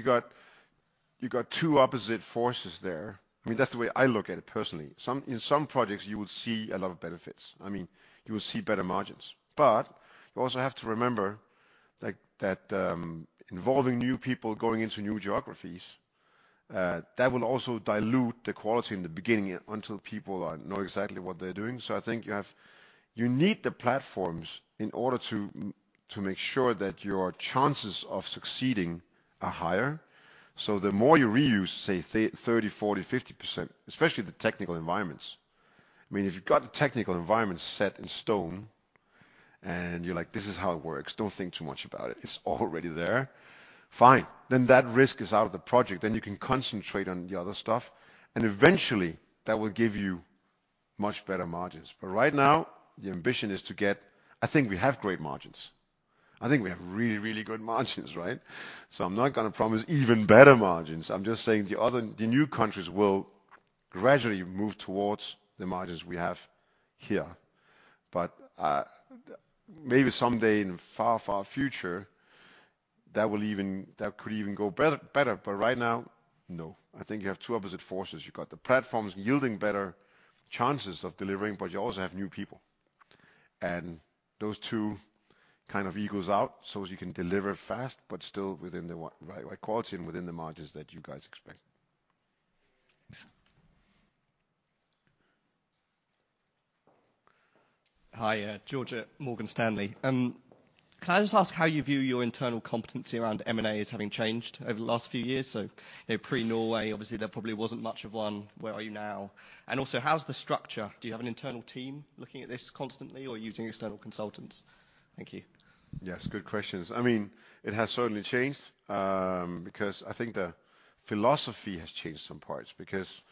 you got two opposite forces there. I mean, that's the way I look at it personally. In some projects, you will see a lot of benefits. I mean, you will see better margins. You also have to remember, like, that involving new people going into new geographies, that will also dilute the quality in the beginning until people know exactly what they're doing. I think you need the platforms in order to make sure that your chances of succeeding are higher. The more you reuse, say 30, 40, 50%, especially the technical environments. I mean, if you've got the technical environment set in stone and you're like, "This is how it works. Don't think too much about it. It's already there." Fine. That risk is out of the project, then you can concentrate on the other stuff, and eventually, that will give you much better margins. I think we have great margins. I think we have really, really good margins, right? I'm not gonna promise even better margins. I'm just saying the new countries will gradually move towards the margins we have here. Maybe someday in the far, far future, that could even go better. Right now, no. I think you have two opposite forces. You've got the platforms yielding better chances of delivering, but you also have new people. Those two kind of even out, so you can deliver fast, but still within the right quality and within the margins that you guys expect. Thanks. Hi, George at Morgan Stanley. Can I just ask how you view your internal competency around M&As having changed over the last few years? You know, pre-Norway, obviously, there probably wasn't much of one. Where are you now? And also, how's the structure? Do you have an internal team looking at this constantly or using external consultants? Thank you. Yes, good questions. I mean, it has certainly changed, because I think the philosophy has changed some parts because,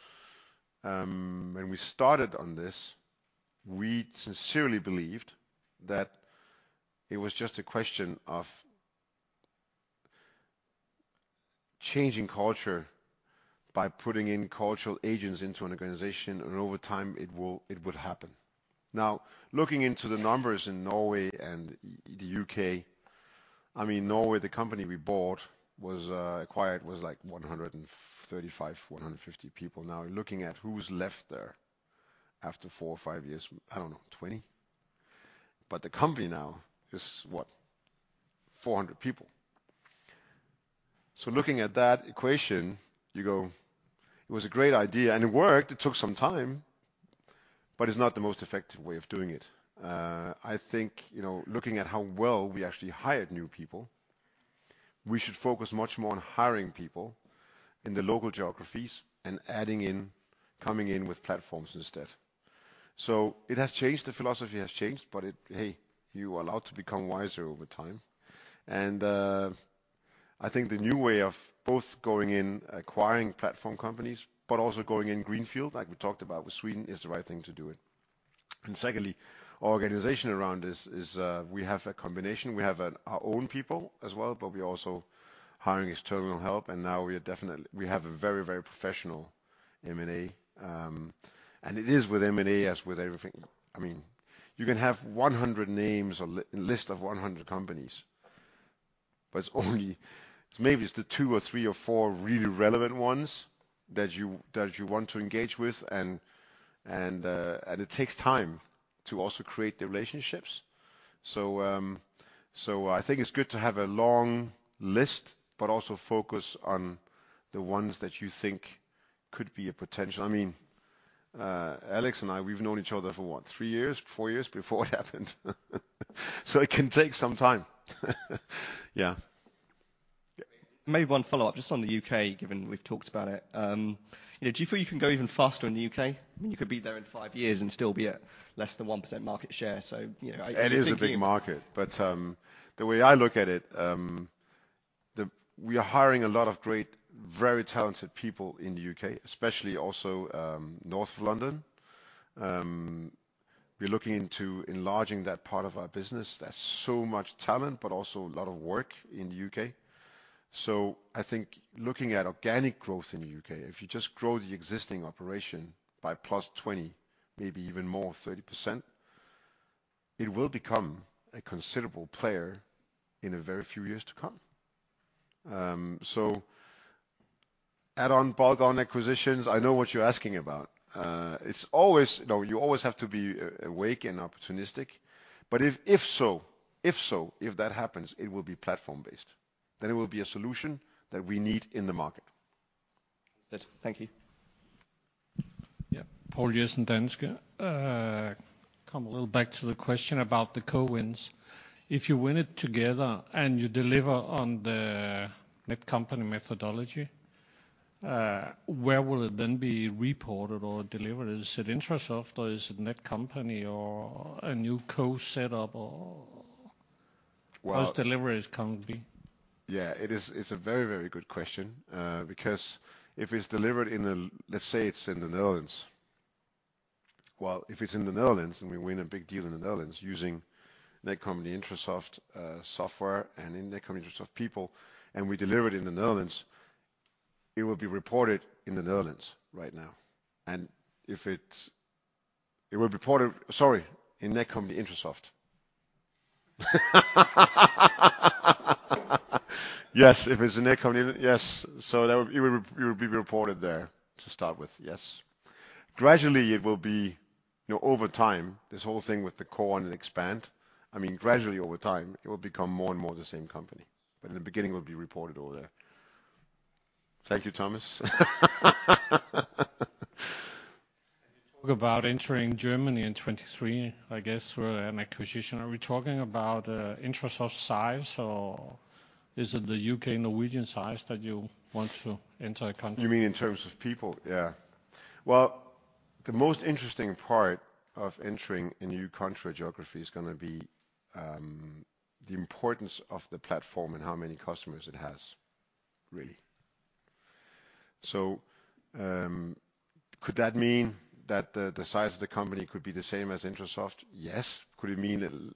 when we started on this, we sincerely believed that it was just a question of changing culture by putting in cultural agents into an organization, and over time, it will, it would happen. Now, looking into the numbers in Norway and the U.K., I mean, Norway, the company we bought was acquired, like 135-150 people. Now, looking at who's left there after four or five years, I don't know, 20. But the company now is what? 400 people. So looking at that equation, you go, it was a great idea and it worked. It took some time, but it's not the most effective way of doing it. I think, you know, looking at how well we actually hired new people, we should focus much more on hiring people in the local geographies and adding in, coming in with platforms instead. It has changed, the philosophy has changed, but hey, you are allowed to become wiser over time. I think the new way of both going in acquiring platform companies, but also going in greenfield, like we talked about with Sweden, is the right thing to do it. Secondly, organization around this is, we have a combination. We have our own people as well, but we're also hiring external help, and now we are definitely. We have a very, very professional M&A. It is with M&A, as with everything. I mean, you can have 100 names or a list of 100 companies, but it's only maybe the two or three or four really relevant ones that you want to engage with, and it takes time to also create the relationships. I think it's good to have a long list, but also focus on the ones that you think could be a potential. I mean, Alex and I, we've known each other for what? 3 years, 4 years before it happened. It can take some time. Yeah. Yeah. Maybe one follow-up just on the U.K., given we've talked about it. You know, do you feel you can go even faster in the U.K.? I mean, you could be there in 5 years and still be at less than 1% market share. You know, I'm just thinking. It is a big market, but the way I look at it, we are hiring a lot of great, very talented people in the U.K., especially also north of London. We're looking into enlarging that part of our business. There's so much talent, but also a lot of work in the U.K. I think looking at organic growth in the U.K., if you just grow the existing operation by +20, maybe even more, 30%, it will become a considerable player in a very few years to come. Add on bolt-on acquisitions, I know what you're asking about. You know, you always have to be awake and opportunistic. If that happens, it will be platform-based. It will be a solution that we need in the market. Understood. Thank you. Yeah. Poul Jessen, Danske. Come a little back to the question about the co-wins. If you win it together and you deliver on the Netcompany methodology, where will it then be reported or delivered? Is it Intrasoft or is it Netcompany or a new co-setup or- Well. How's deliveries going to be? It is a very, very good question. Because if it's delivered, let's say it's in the Netherlands. Well, if it's in the Netherlands and we win a big deal in the Netherlands using Netcompany-Intrasoft software and Netcompany-Intrasoft people, and we deliver it in the Netherlands, it will be reported in the Netherlands right now. If it's in Netcompany-Intrasoft. Yes, if it's in Netcompany, yes. That it will be reported there to start with. Yes. Gradually, it will be, you know, over time, this whole thing with the Core and Expand. I mean, gradually, over time, it will become more and more the same company. In the beginning, it will be reported all there. Thank you, Thomas. You talk about entering Germany in 2023, I guess through an acquisition. Are we talking about Intrasoft size or is it the U.K., Norwegian size that you want to enter a country? You mean in terms of people? Yeah. Well, the most interesting part of entering a new country or geography is gonna be the importance of the platform and how many customers it has, really. So, could that mean that the size of the company could be the same as Intrasoft? Yes. Could it mean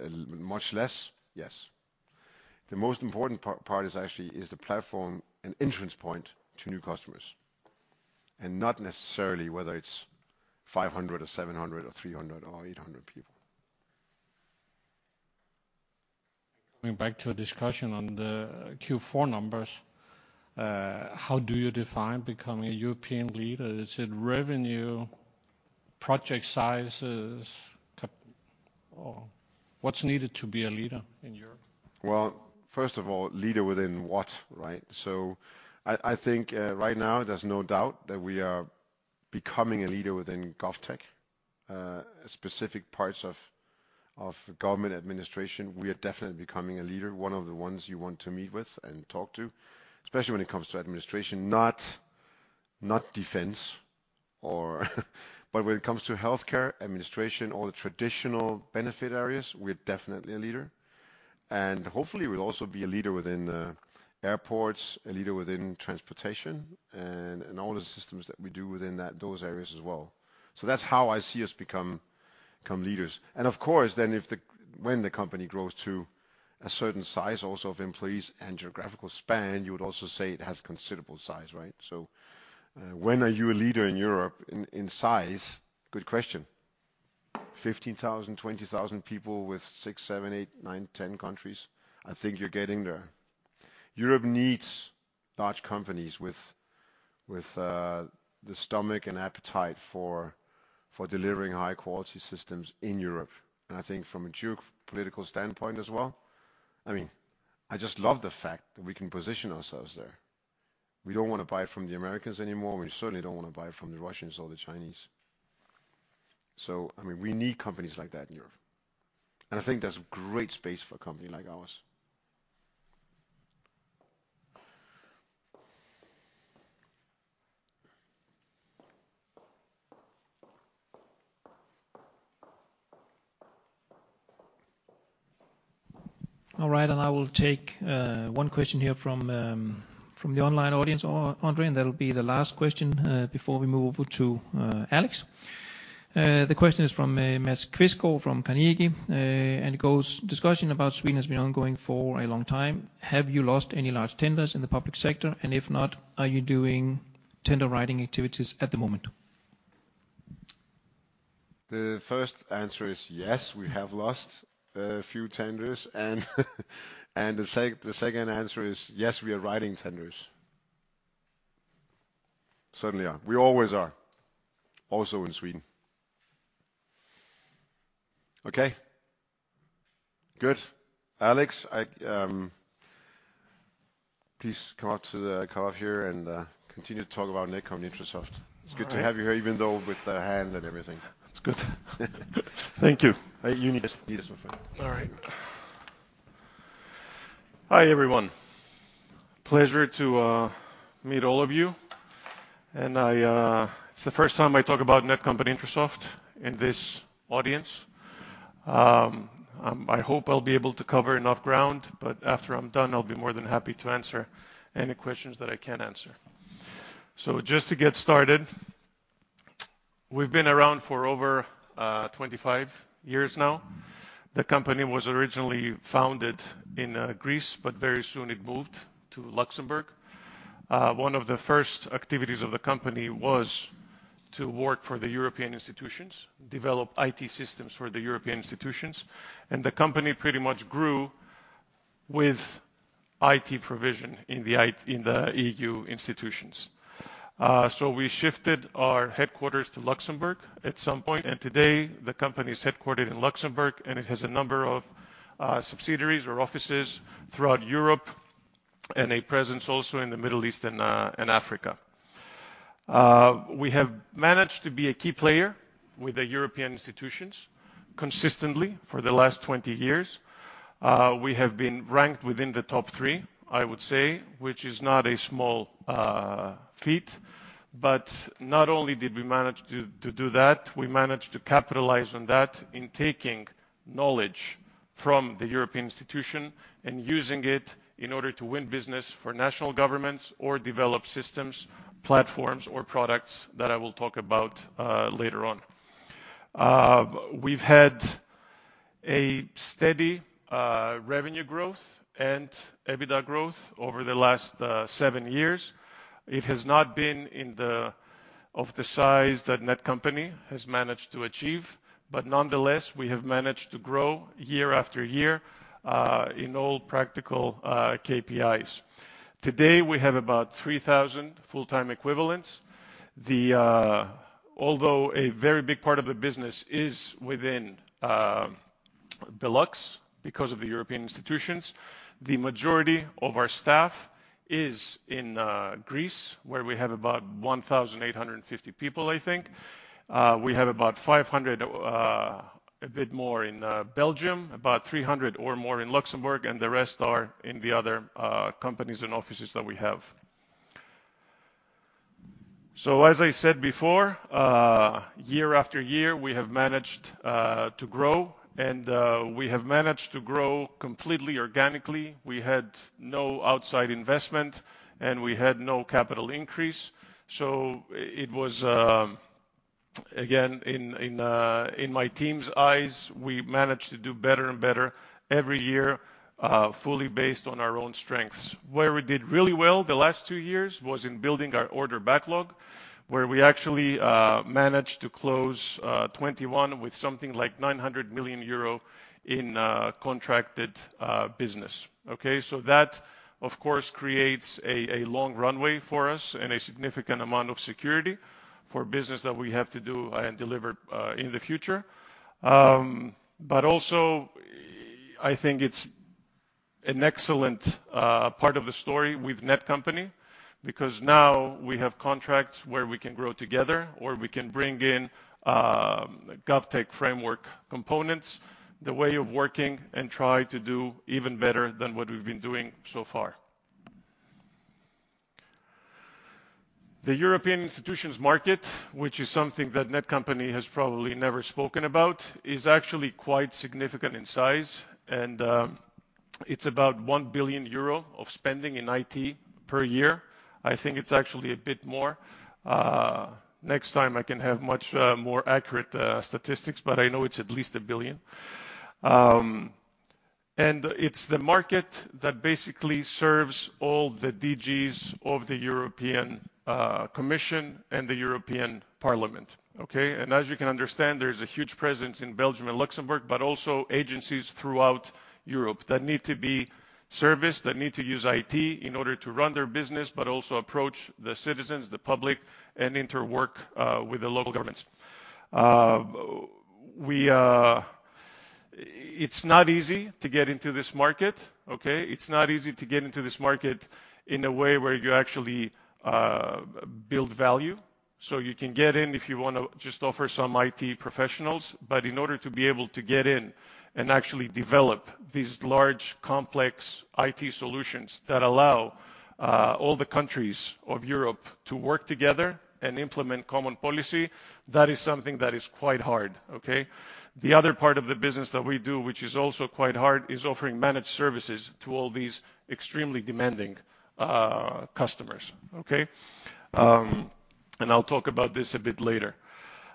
a much less? Yes. The most important part is actually the platform an entrance point to new customers, and not necessarily whether it's 500 or 700 or 300 or 800 people. Going back to a discussion on the Q4 numbers, how do you define becoming a European leader? Is it revenue, project sizes, CapEx or what's needed to be a leader in Europe? Well, first of all, leader within what, right? I think right now there's no doubt that we are becoming a leader within GovTech. Specific parts of government administration, we are definitely becoming a leader, one of the ones you want to meet with and talk to, especially when it comes to administration. When it comes to healthcare administration, all the traditional benefit areas, we're definitely a leader. Hopefully, we'll also be a leader within airports, a leader within transportation and all the systems that we do within those areas as well. That's how I see us become leaders. Of course, then when the company grows to a certain size also of employees and geographical span, you would also say it has considerable size, right? When are you a leader in Europe in size? Good question. 15,000, 20,000 people with 6, 7, 8, 9, 10 countries, I think you're getting there. Europe needs large companies with the stomach and appetite for delivering high quality systems in Europe. I think from a geopolitical standpoint as well, I mean, I just love the fact that we can position ourselves there. We don't wanna buy from the Americans anymore. We certainly don't wanna buy from the Russians or the Chinese. I mean, we need companies like that in Europe. I think there's great space for a company like ours. All right. I will take one question here from the online audience, André, and that'll be the last question before we move over to Alex. The question is from Mads Quistgaardo from Carnegie. It goes, The discussion about Sweden has been ongoing for a long time. Have you lost any large tenders in the public sector? And if not, are you doing tender writing activities at the moment? The first answer is yes, we have lost a few tenders. The second answer is yes, we are writing tenders. Certainly are. We always are, also in Sweden. Okay. Good. Alex, please come up to the couch here and continue to talk about Netcompany-Intrasoft. All right. It's good to have you here, even though with the hand and everything. It's good. Good. Thank you. You need this. You need this one. All right. Hi, everyone. Pleasure to meet all of you. It's the first time I talk about Netcompany-Intrasoft in this audience. I hope I'll be able to cover enough ground, but after I'm done, I'll be more than happy to answer any questions that I can answer. Just to get started, we've been around for over 25 years now. The company was originally founded in Greece, but very soon it moved to Luxembourg. One of the first activities of the company was to work for the European institutions, develop IT systems for the European institutions, and the company pretty much grew with IT provision in the EU institutions. We shifted our headquarters to Luxembourg at some point, and today the company is headquartered in Luxembourg, and it has a number of subsidiaries or offices throughout Europe and a presence also in the Middle East and Africa. We have managed to be a key player with the European institutions consistently for the last 20 years. We have been ranked within the top three, I would say, which is not a small feat. Not only did we manage to do that, we managed to capitalize on that in taking knowledge from the European institution and using it in order to win business for national governments or develop systems, platforms, or products that I will talk about later on. We've had a steady revenue growth and EBITDA growth over the last seven years. It has not been of the size that Netcompany has managed to achieve, but nonetheless, we have managed to grow year after year in all practical KPIs. Today, we have about 3,000 full-time equivalents. Although a very big part of the business is within Belux because of the European institutions, the majority of our staff is in Greece, where we have about 1,850 people, I think. We have about 500, a bit more in Belgium, about 300 or more in Luxembourg, and the rest are in the other companies and offices that we have. As I said before, year after year, we have managed to grow, and we have managed to grow completely organically. We had no outside investment, and we had no capital increase. It was again in my team's eyes we managed to do better and better every year fully based on our own strengths. Where we did really well the last two years was in building our order backlog where we actually managed to close 2021 with something like 900 million euro in contracted business. Okay? That of course creates a long runway for us and a significant amount of security for business that we have to do and deliver in the future. I think it's an excellent part of the story with Netcompany because now we have contracts where we can grow together or we can bring in GovTech Framework components the way of working and try to do even better than what we've been doing so far. The European institutions market, which is something that Netcompany has probably never spoken about, is actually quite significant in size, and it's about 1 billion euro of spending in IT per year. I think it's actually a bit more. Next time I can have much more accurate statistics, but I know it's at least 1 billion. And it's the market that basically serves all the DGs of the European Commission and the European Parliament, okay? As you can understand, there's a huge presence in Belgium and Luxembourg, but also agencies throughout Europe that need to be serviced, that need to use IT in order to run their business, but also approach the citizens, the public, and interwork with the local governments. It's not easy to get into this market, okay? It's not easy to get into this market in a way where you actually build value. You can get in if you wanna just offer some IT professionals. In order to be able to get in and actually develop these large, complex IT solutions that allow all the countries of Europe to work together and implement common policy, that is something that is quite hard, okay? The other part of the business that we do, which is also quite hard, is offering managed services to all these extremely demanding customers, okay? I'll talk about this a bit later.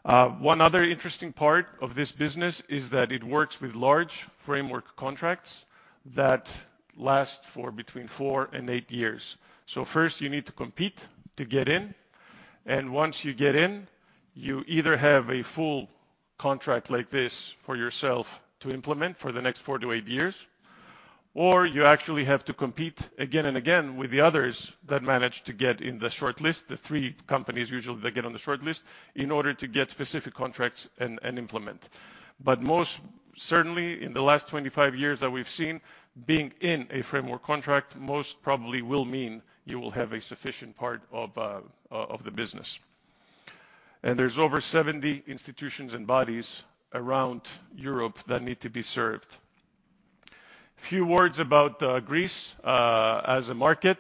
One other interesting part of this business is that it works with large framework contracts that last for between four and eight years. First, you need to compete to get in, and once you get in, you either have a full contract like this for yourself to implement for the next 4-8 years, or you actually have to compete again and again with the others that manage to get in the shortlist, the three companies usually that get on the shortlist, in order to get specific contracts and implement. Most certainly in the last 25 years that we've seen, being in a framework contract most probably will mean you will have a sufficient part of the business. There's over 70 institutions and bodies around Europe that need to be served. A few words about Greece as a market.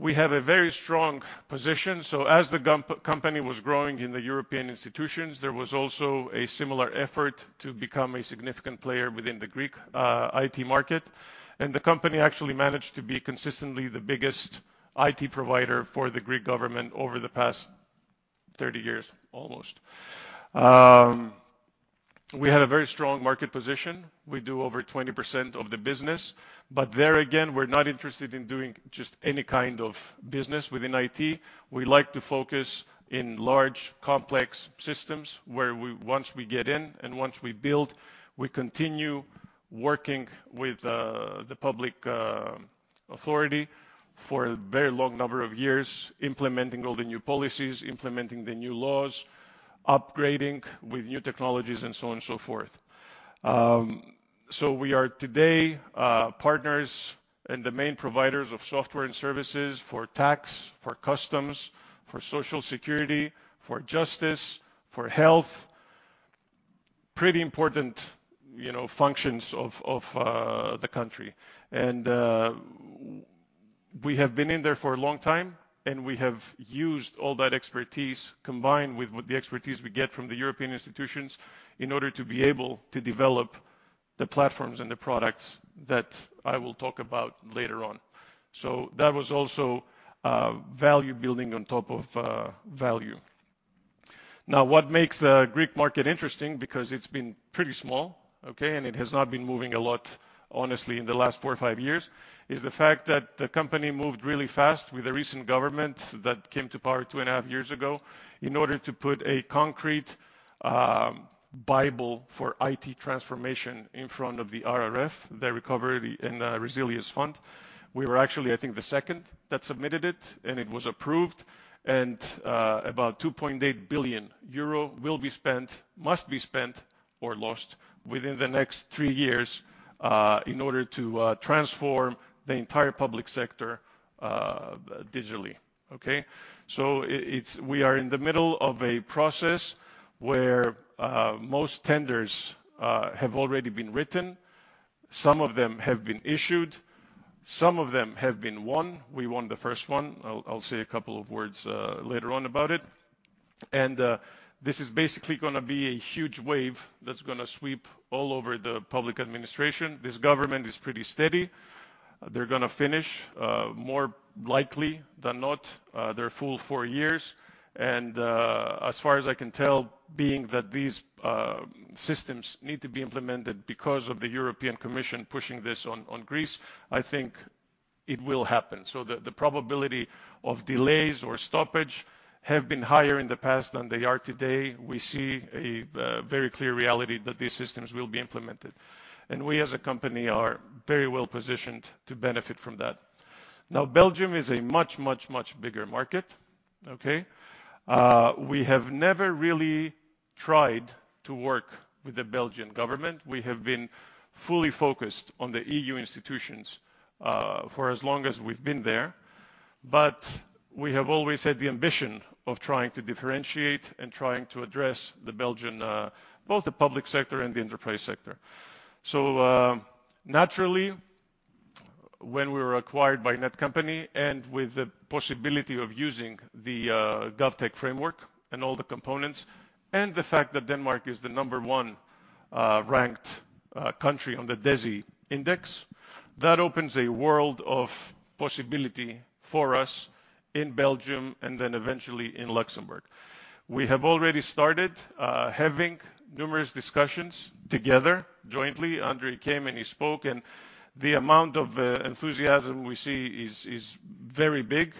We have a very strong position. As the company was growing in the European institutions, there was also a similar effort to become a significant player within the Greek IT market. The company actually managed to be consistently the biggest IT provider for the Greek government over the past 30 years, almost. We had a very strong market position. We do over 20% of the business. There again, we're not interested in doing just any kind of business within IT. We like to focus in large, complex systems where once we get in and once we build, we continue working with the public authority for a very long number of years, implementing all the new policies, implementing the new laws, upgrading with new technologies, and so on and so forth. We are today partners and the main providers of software and services for tax, for customs, for social security, for justice, for health. Pretty important, you know, functions of the country. We have been in there for a long time, and we have used all that expertise combined with what the expertise we get from the European institutions in order to be able to develop the platforms and the products that I will talk about later on. That was also value building on top of value. Now, what makes the Greek market interesting, because it's been pretty small, okay, and it has not been moving a lot, honestly, in the last 4 or 5 years, is the fact that the company moved really fast with the recent government that came to power 2.5 years ago in order to put a concrete bible for IT transformation in front of the RRF, the Recovery and Resilience Fund. We were actually, I think, the second that submitted it, and it was approved. About 2.8 billion euro will be spent, must be spent or lost within the next 3 years in order to transform the entire public sector digitally. Okay? We are in the middle of a process where most tenders have already been written. Some of them have been issued. Some of them have been won. We won the first one. I'll say a couple of words later on about it. This is basically gonna be a huge wave that's gonna sweep all over the public administration. This government is pretty steady. They're gonna finish more likely than not their full four years. As far as I can tell, being that these systems need to be implemented because of the European Commission pushing this on Greece, I think it will happen. The probability of delays or stoppage have been higher in the past than they are today. We see a very clear reality that these systems will be implemented, and we as a company are very well-positioned to benefit from that. Now, Belgium is a much bigger market. Okay? We have never really tried to work with the Belgian government. We have been fully focused on the EU institutions, for as long as we've been there, but we have always had the ambition of trying to differentiate and trying to address the Belgian, both the public sector and the enterprise sector. Naturally, when we were acquired by Netcompany and with the possibility of using the GovTech Framework and all the components, and the fact that Denmark is the number 1 ranked country on the DESI index, that opens a world of possibility for us in Belgium and then eventually in Luxembourg. We have already started having numerous discussions together jointly. André came and he spoke, and the amount of enthusiasm we see is very big.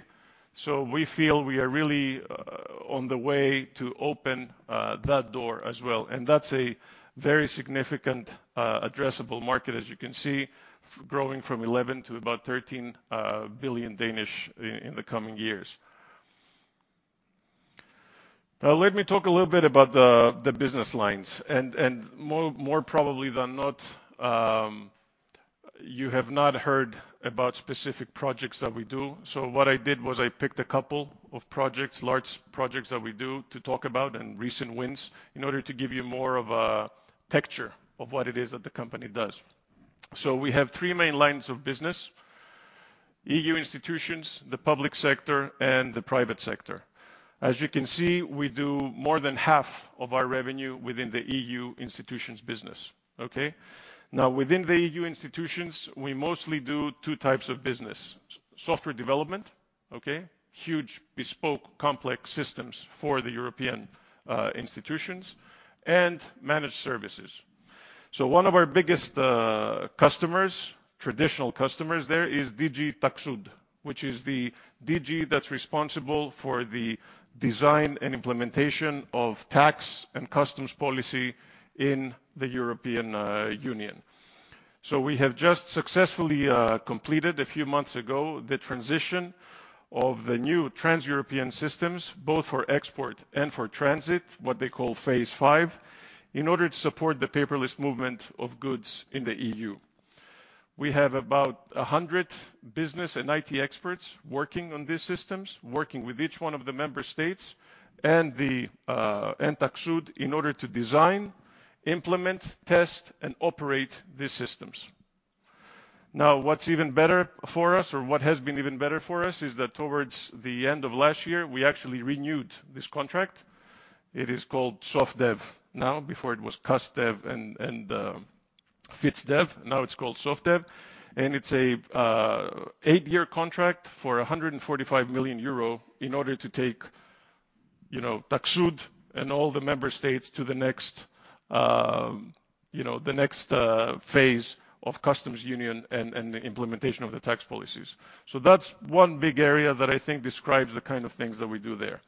We feel we are really on the way to open that door as well, and that's a very significant addressable market, as you can see, growing from 11 billion to about 13 billion in the coming years. Now, let me talk a little bit about the business lines. More probably than not, you have not heard about specific projects that we do. What I did was I picked a couple of projects, large projects that we do to talk about and recent wins in order to give you more of a texture of what it is that the company does. We have three main lines of business: EU institutions, the public sector, and the private sector. As you can see, we do more than half of our revenue within the EU institutions business. Okay. Within the EU institutions, we mostly do two types of business. Software development, okay? Huge bespoke complex systems for the European institutions, and managed services. One of our biggest customers, traditional customers there is DG TAXUD, which is the DG that's responsible for the design and implementation of tax and customs policy in the European Union. We have just successfully completed a few months ago, the transition of the new Trans-European systems, both for export and for transit, what they call phase 5, in order to support the paperless movement of goods in the EU. We have about 100 business and IT experts working on these systems, working with each one of the member states and TAXUD in order to design, implement, test, and operate these systems. Now, what's even better for us or what has been even better for us is that towards the end of last year, we actually renewed this contract. It is called SOFTDEV now. Before it was CUSTDEV and FITSdev. Now it's called SOFTDEV, and it's a 8-year contract for 145 million euro in order to take, you know, TAXUD and all the member states to the next, you know, the next phase of customs union and the implementation of the tax policies. So that's one big area that I think describes the kind of things that we do there.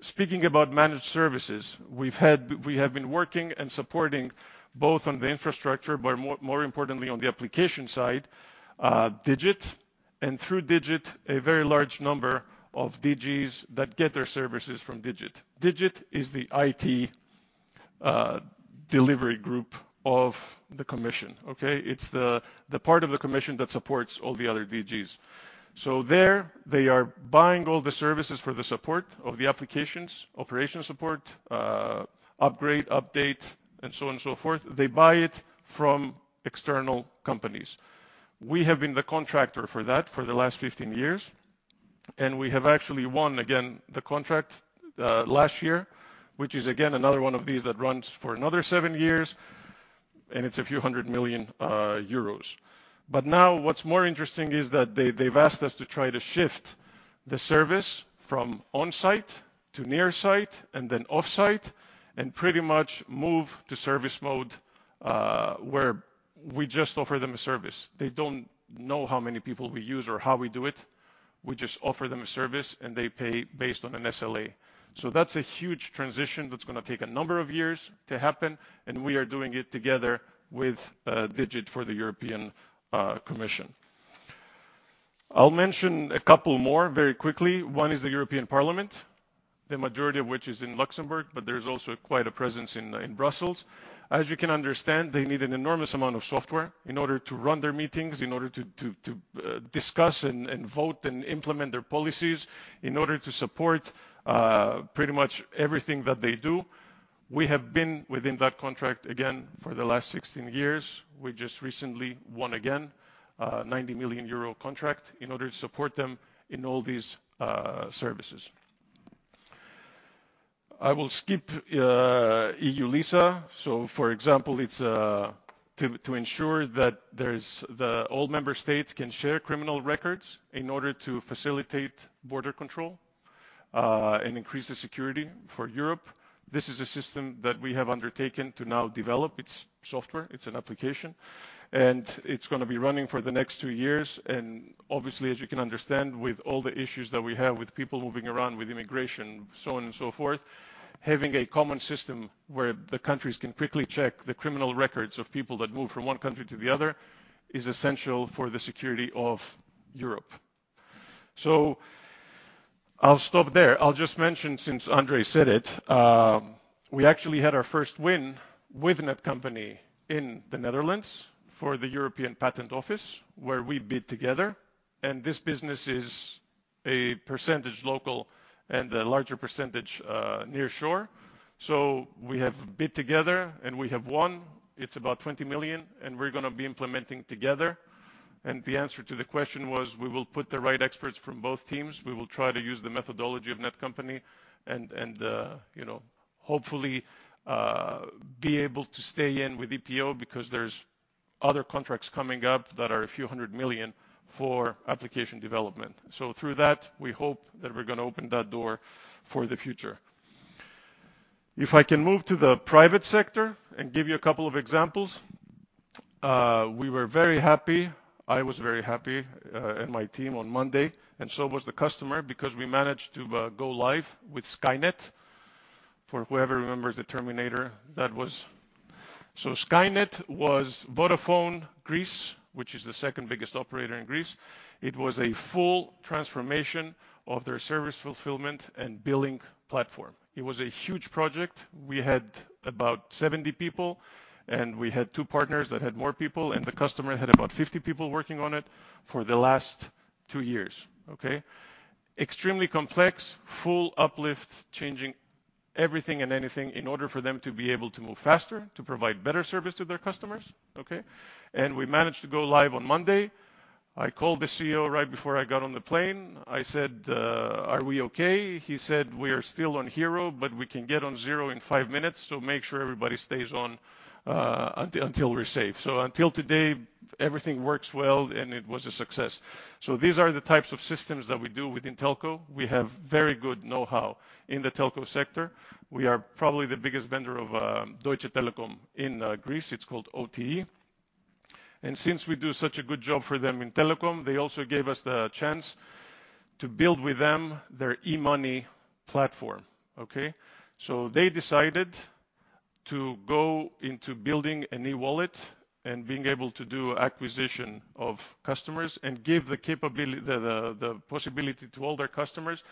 Speaking about managed services, we have been working and supporting both on the infrastructure, but more importantly on the application side, DIGIT and through DIGIT, a very large number of DGs that get their services from DIGIT. DIGIT is the IT delivery group of the commission, okay? It's the part of the commission that supports all the other DGs. There they are buying all the services for the support of the applications, operation support, upgrade, update, and so on and so forth. They buy it from external companies. We have been the contractor for that for the last 15 years, and we have actually won again the contract last year, which is again another one of these that runs for another 7 years, and it's a few hundred million EUR. Now what's more interesting is that they've asked us to try to shift the service from on-site to near site and then off-site and pretty much move to service mode where we just offer them a service. They don't know how many people we use or how we do it. We just offer them a service, and they pay based on an SLA. That's a huge transition that's gonna take a number of years to happen, and we are doing it together with DIGIT for the European Commission. I'll mention a couple more very quickly. One is the European Parliament, the majority of which is in Luxembourg, but there's also quite a presence in Brussels. As you can understand, they need an enormous amount of software in order to run their meetings, in order to discuss and vote and implement their policies, in order to support pretty much everything that they do. We have been within that contract again for the last 16 years. We just recently won again 90 million euro contract in order to support them in all these services. I will skip eu-LISA. For example, it's to ensure that all member states can share criminal records in order to facilitate border control and increase the security for Europe. This is a system that we have undertaken to now develop its software. It's an application, and it's gonna be running for the next two years. Obviously, as you can understand, with all the issues that we have with people moving around with immigration, so on and so forth, having a common system where the countries can quickly check the criminal records of people that move from one country to the other is essential for the security of Europe. I'll stop there. I'll just mention, since André said it, we actually had our first win with Netcompany in the Netherlands for the European Patent Office, where we bid together, and this business is a percentage local and a larger percentage nearshore. We have bid together, and we have won. It's about 20 million, and we're gonna be implementing together. The answer to the question was we will put the right experts from both teams. We will try to use the methodology of Netcompany and you know, hopefully, be able to stay in with EPO because there's other contracts coming up that are a few 100 million for application development. Through that, we hope that we're gonna open that door for the future. If I can move to the private sector and give you a couple of examples. We were very happy. I was very happy and my team on Monday, and so was the customer, because we managed to go live with Skynet. For whoever remembers The Terminator, Skynet was Vodafone Greece, which is the second biggest operator in Greece. It was a full transformation of their service fulfillment and billing platform. It was a huge project. We had about 70 people, and we had two partners that had more people, and the customer had about 50 people working on it for the last two years, okay? Extremely complex, full uplift, changing everything and anything in order for them to be able to move faster, to provide better service to their customers, okay? We managed to go live on Monday. I called the CEO right before I got on the plane. I said, "Are we okay?" He said, "We are still on hero, but we can get on zero in 5 minutes, so make sure everybody stays on until we're safe." Until today, everything works well, and it was a success. These are the types of systems that we do within telco. We have very good know-how in the telco sector. We are probably the biggest vendor of Deutsche Telekom in Greece. It's called OTE. Since we do such a good job for them in telecom, they also gave us the chance to build with them their e-money platform, okay? They decided to go into building an e-wallet and being able to do acquisition of customers and give the possibility to all their customers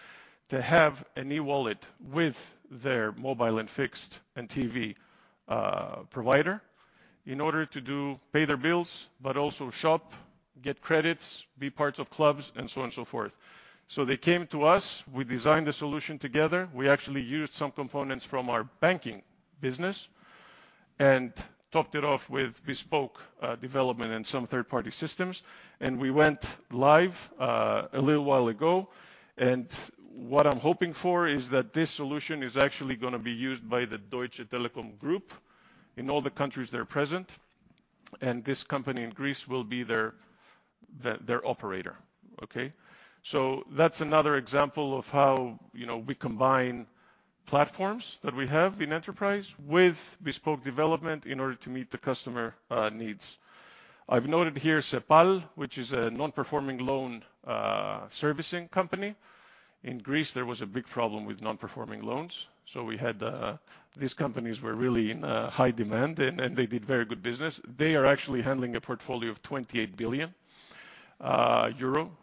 to have an e-wallet with their mobile and fixed and TV provider in order to pay their bills, but also shop, get credits, be parts of clubs, and so on and so forth. They came to us. We designed the solution together. We actually used some components from our banking business and topped it off with bespoke development and some third-party systems. We went live a little while ago. What I'm hoping for is that this solution is actually gonna be used by the Deutsche Telekom group in all the countries they're present, and this company in Greece will be their operator, okay? That's another example of how, you know, we combine platforms that we have in enterprise with bespoke development in order to meet the customer needs. I've noted here Cepal, which is a non-performing loan servicing company. In Greece, there was a big problem with non-performing loans. We had these companies were really in high demand and they did very good business. They are actually handling a portfolio of 28 billion euro.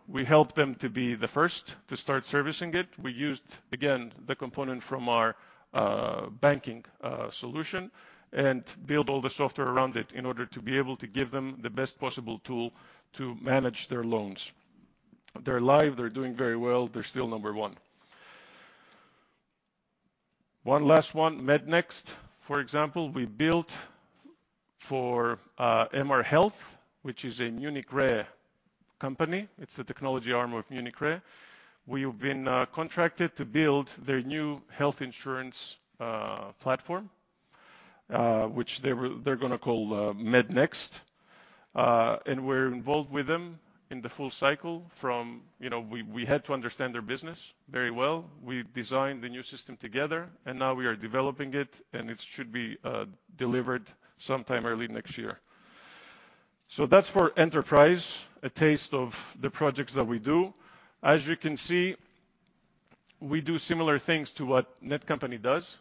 We helped them to be the first to start servicing it. We used, again, the component from our banking solution and build all the software around it in order to be able to give them the best possible tool to manage their loans. They're live, they're doing very well, they're still number one. One last one, MedNext. For example, we built for Munich Re HealthTech, which is a Munich Re company. It's the technology arm of Munich Re. We've been contracted to build their new health insurance platform, which they're gonna call MedNext. We're involved with them in the full cycle. You know, we had to understand their business very well. We designed the new system together, and now we are developing it, and it should be delivered sometime early next year. That's for enterprise, a taste of the projects that we do. As you can see, we do similar things to what Netcompany does,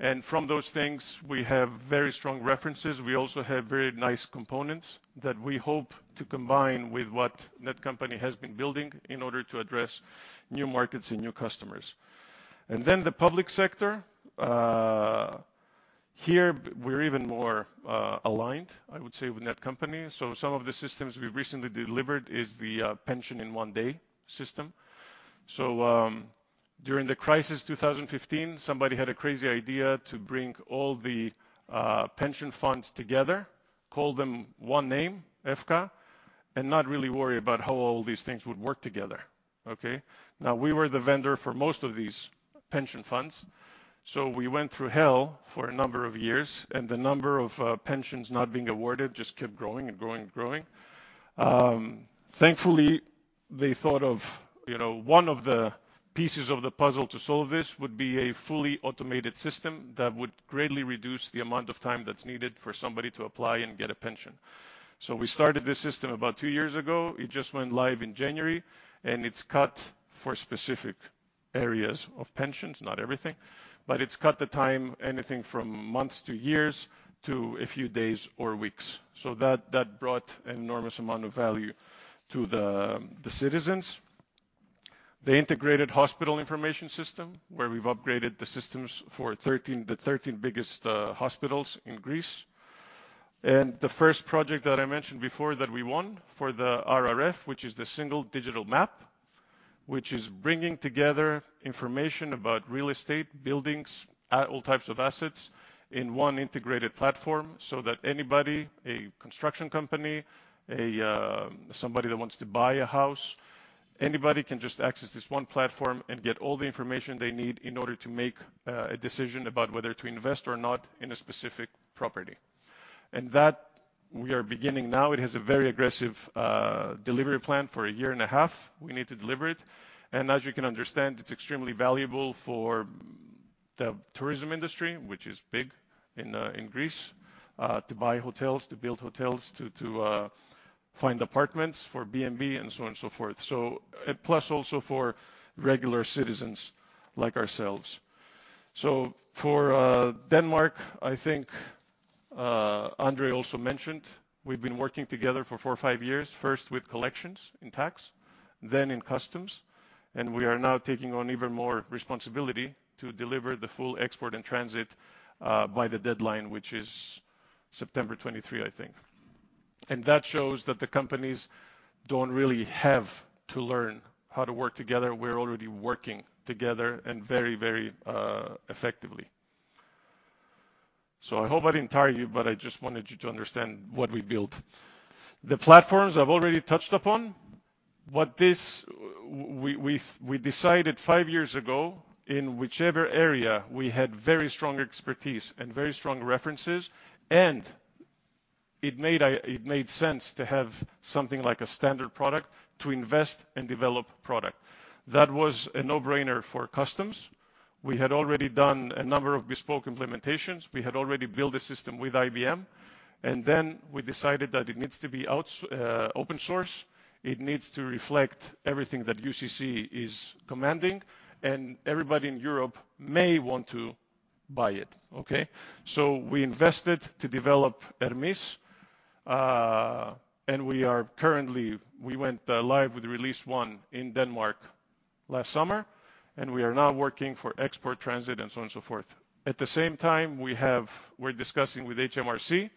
and from those things, we have very strong references. We also have very nice components that we hope to combine with what Netcompany has been building in order to address new markets and new customers. The public sector here we're even more aligned, I would say, with Netcompany. Some of the systems we've recently delivered is the pension in one day system. During the crisis 2015, somebody had a crazy idea to bring all the pension funds together, call them one name, EFKA, and not really worry about how all these things would work together. Okay? Now, we were the vendor for most of these pension funds. We went through hell for a number of years, and the number of pensions not being awarded just kept growing and growing and growing. Thankfully, they thought of, you know, one of the pieces of the puzzle to solve this would be a fully automated system that would greatly reduce the amount of time that's needed for somebody to apply and get a pension. We started this system about two years ago. It just went live in January, and it's cut for specific areas of pensions, not everything, but it's cut the time anything from months to years to a few days or weeks. That brought an enormous amount of value to the citizens. The integrated hospital information system, where we've upgraded the systems for 13 biggest hospitals in Greece. The first project that I mentioned before that we won for the RRF, which is the single digital map, which is bringing together information about real estate, buildings, all types of assets in one integrated platform so that anybody, a construction company, somebody that wants to buy a house, anybody can just access this one platform and get all the information they need in order to make a decision about whether to invest or not in a specific property. That we are beginning now. It has a very aggressive delivery plan for a year and a half. We need to deliver it. As you can understand, it's extremely valuable for the tourism industry, which is big in Greece, to buy hotels, to build hotels, to find apartments for BnB and so on and so forth. Plus, also for regular citizens like ourselves. For Denmark, I think, André also mentioned, we've been working together for four or five years, first with collections in tax, then in customs, and we are now taking on even more responsibility to deliver the full export and transit by the deadline, which is September 2023, I think. That shows that the companies don't really have to learn how to work together. We're already working together and very effectively. I hope I didn't tire you, but I just wanted you to understand what we built. The platforms I've already touched upon. What this. We decided five years ago, in whichever area we had very strong expertise and very strong references, and it made sense to have something like a standard product to invest and develop product. That was a no-brainer for customs. We had already done a number of bespoke implementations. We had already built a system with IBM, and then we decided that it needs to be out, open source. It needs to reflect everything that UCC is commanding, and everybody in Europe may want to buy it. Okay? We invested to develop ERMIS, and we went live with release one in Denmark last summer, and we are now working for export, transit, and so on and so forth. At the same time, we're discussing with HMRC,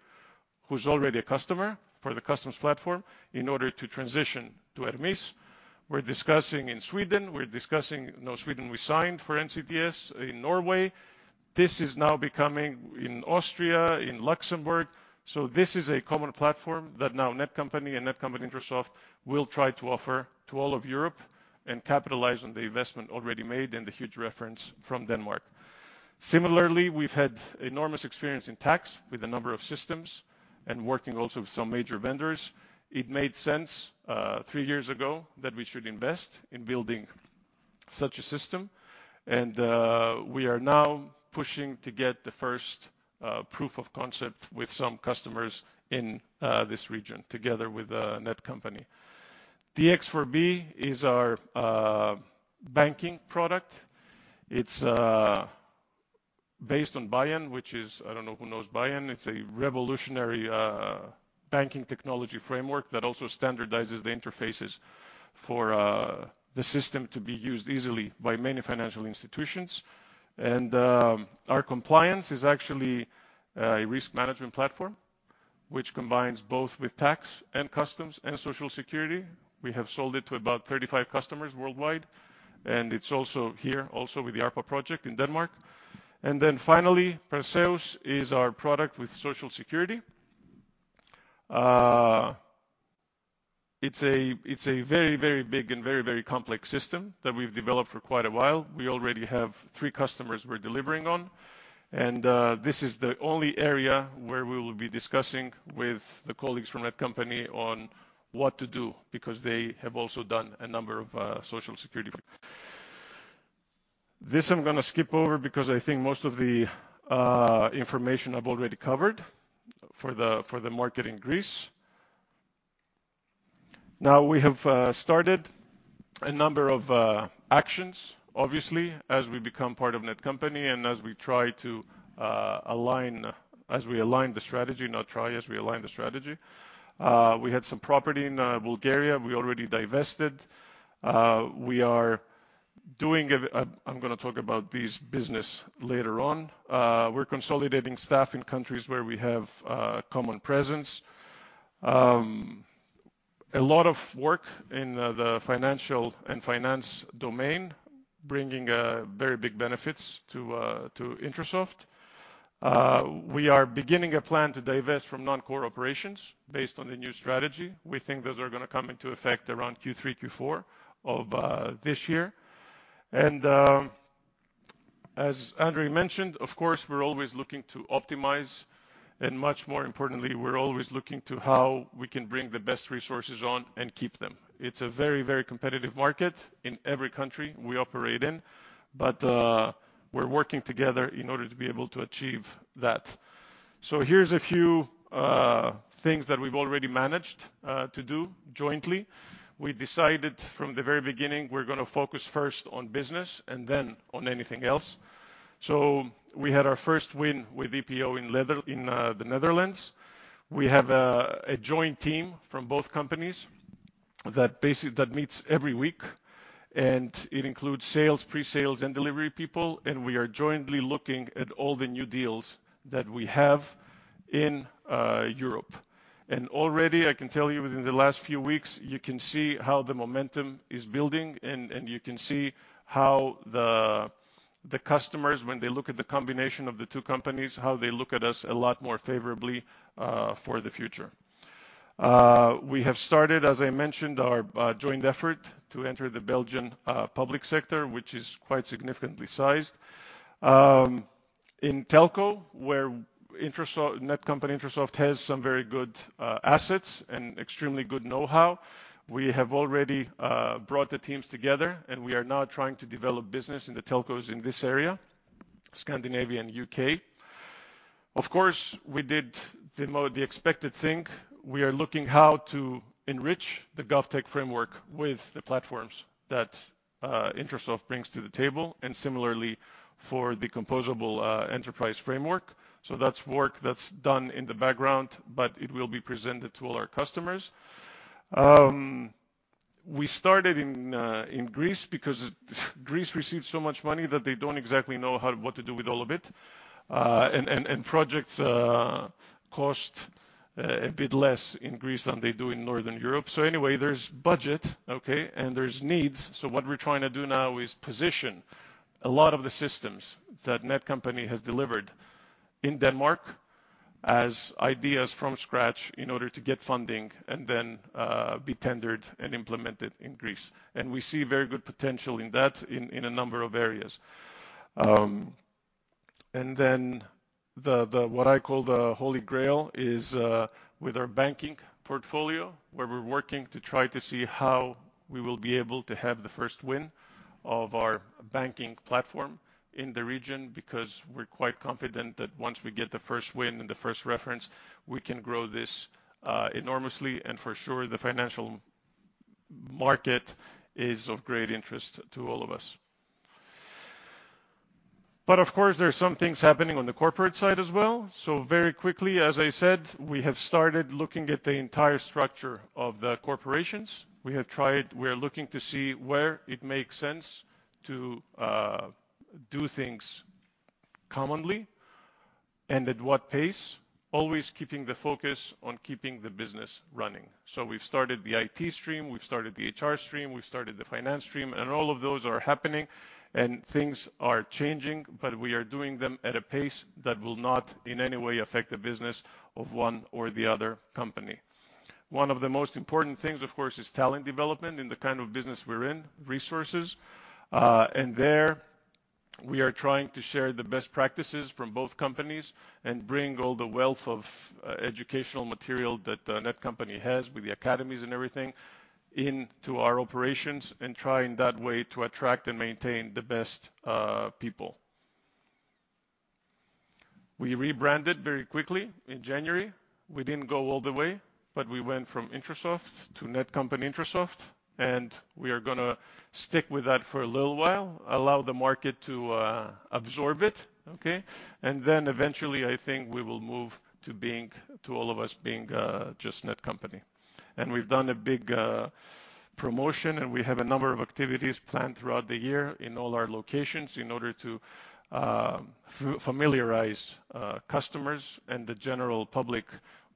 who's already a customer for the customs platform, in order to transition to ERMIS. We're discussing in Sweden. No, Sweden, we signed for NCTS in Norway. This is now becoming in Austria, in Luxembourg. This is a common platform that now Netcompany and Netcompany-Intrasoft will try to offer to all of Europe and capitalize on the investment already made and the huge reference from Denmark. Similarly, we've had enormous experience in tax with a number of systems and working also with some major vendors. It made sense three years ago that we should invest in building such a system. We are now pushing to get the first proof of concept with some customers in this region together with Netcompany. The X4B is our banking product. It's based on BIAN, which is. I don't know who knows BIAN. It's a revolutionary banking technology framework that also standardizes the interfaces for the system to be used easily by many financial institutions. Our compliance is actually a risk management platform, which combines both with tax and customs and Social Security. We have sold it to about 35 customers worldwide, and it's also here, also with the ARPA project in Denmark. Then finally, PERSEUS is our product with Social Security. It's a very big and very complex system that we've developed for quite a while. We already have three customers we're delivering on. This is the only area where we will be discussing with the colleagues from Netcompany on what to do because they have also done a number of Social Security. This I'm gonna skip over because I think most of the information I've already covered for the market in Greece. Now we have started a number of actions, obviously, as we become part of Netcompany and as we align the strategy. We had some property in Bulgaria we already divested. I'm gonna talk about these business later on. We're consolidating staff in countries where we have common presence. A lot of work in the financial and finance domain, bringing very big benefits to Intrasoft. We are beginning a plan to divest from non-core operations based on the new strategy. We think those are gonna come into effect around Q3, Q4 of this year. As André mentioned, of course, we're always looking to optimize, and much more importantly, we're always looking to how we can bring the best resources on and keep them. It's a very, very competitive market in every country we operate in, but we're working together in order to be able to achieve that. Here's a few things that we've already managed to do jointly. We decided from the very beginning, we're gonna focus first on business and then on anything else. We had our first win with EPO in the Netherlands. We have a joint team from both companies that meets every week, and it includes sales, pre-sales, and delivery people, and we are jointly looking at all the new deals that we have in Europe. Already, I can tell you within the last few weeks, you can see how the momentum is building and you can see how the customers, when they look at the combination of the two companies, how they look at us a lot more favorably for the future. We have started, as I mentioned, our joint effort to enter the Belgian public sector, which is quite significantly sized. In telco, where Netcompany-Intrasoft has some very good assets and extremely good know-how. We have already brought the teams together, and we are now trying to develop business in the telcos in this area, Scandinavia and U.K. Of course, we did the expected thing. We are looking how to enrich the GovTech Framework with the platforms that Intrasoft brings to the table, and similarly for the composable enterprise framework. That's work that's done in the background, but it will be presented to all our customers. We started in Greece because Greece received so much money that they don't exactly know how what to do with all of it. And projects cost a bit less in Greece than they do in Northern Europe. Anyway, there's budget, okay, and there's needs. What we're trying to do now is position a lot of the systems that Netcompany has delivered in Denmark as ideas from scratch in order to get funding and then be tendered and implemented in Greece. We see very good potential in that in a number of areas. What I call the Holy Grail is with our banking portfolio, where we're working to try to see how we will be able to have the first win of our banking platform in the region, because we're quite confident that once we get the first win and the first reference, we can grow this enormously, and for sure the financial market is of great interest to all of us. Of course, there are some things happening on the corporate side as well. Very quickly, as I said, we have started looking at the entire structure of the corporations. We are looking to see where it makes sense to do things commonly and at what pace, always keeping the focus on keeping the business running. We've started the IT stream, we've started the HR stream, we've started the finance stream, and all of those are happening and things are changing, but we are doing them at a pace that will not in any way affect the business of one or the other company. One of the most important things, of course, is talent development in the kind of business we're in, resources. We are trying to share the best practices from both companies and bring all the wealth of educational material that the Netcompany has with the academies and everything into our operations, and try in that way to attract and maintain the best people. We rebranded very quickly in January. We didn't go all the way, but we went from Intrasoft to Netcompany-Intrasoft, and we are gonna stick with that for a little while, allow the market to absorb it, okay? Eventually, I think we will move to all of us being just Netcompany. We've done a big promotion, and we have a number of activities planned throughout the year in all our locations in order to familiarize customers and the general public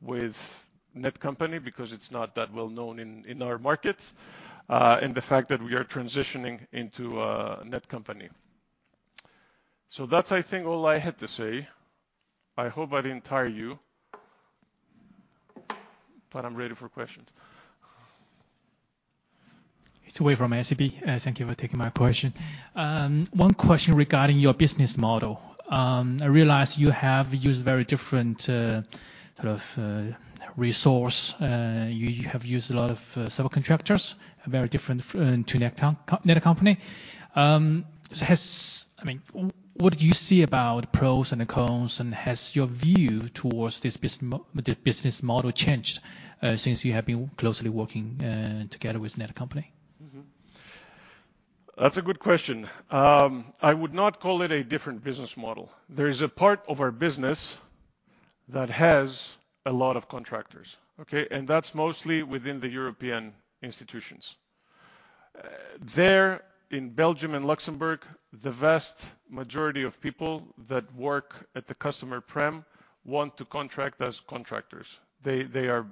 with Netcompany, because it's not that well-known in our markets, and the fact that we are transitioning into Netcompany. That's, I think, all I had to say. I hope I didn't tire you. I'm ready for questions. It's Wei from SEB. Thank you for taking my question. One question regarding your business model. I realize you have used very different sort of resource. You have used a lot of subcontractors, very different to Netcompany. I mean, what do you see about pros and the cons, and has your view towards the business model changed since you have been closely working together with Netcompany? That's a good question. I would not call it a different business model. There is a part of our business that has a lot of contractors, okay? That's mostly within the European institutions. There, in Belgium and Luxembourg, the vast majority of people that work at the customer premises want to contract as contractors. They are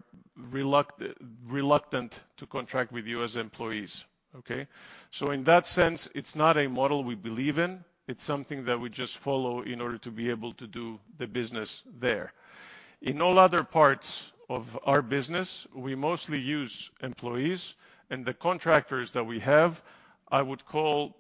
reluctant to contract with you as employees, okay? In that sense, it's not a model we believe in. It's something that we just follow in order to be able to do the business there. In all other parts of our business, we mostly use employees, and the contractors that we have, I would call,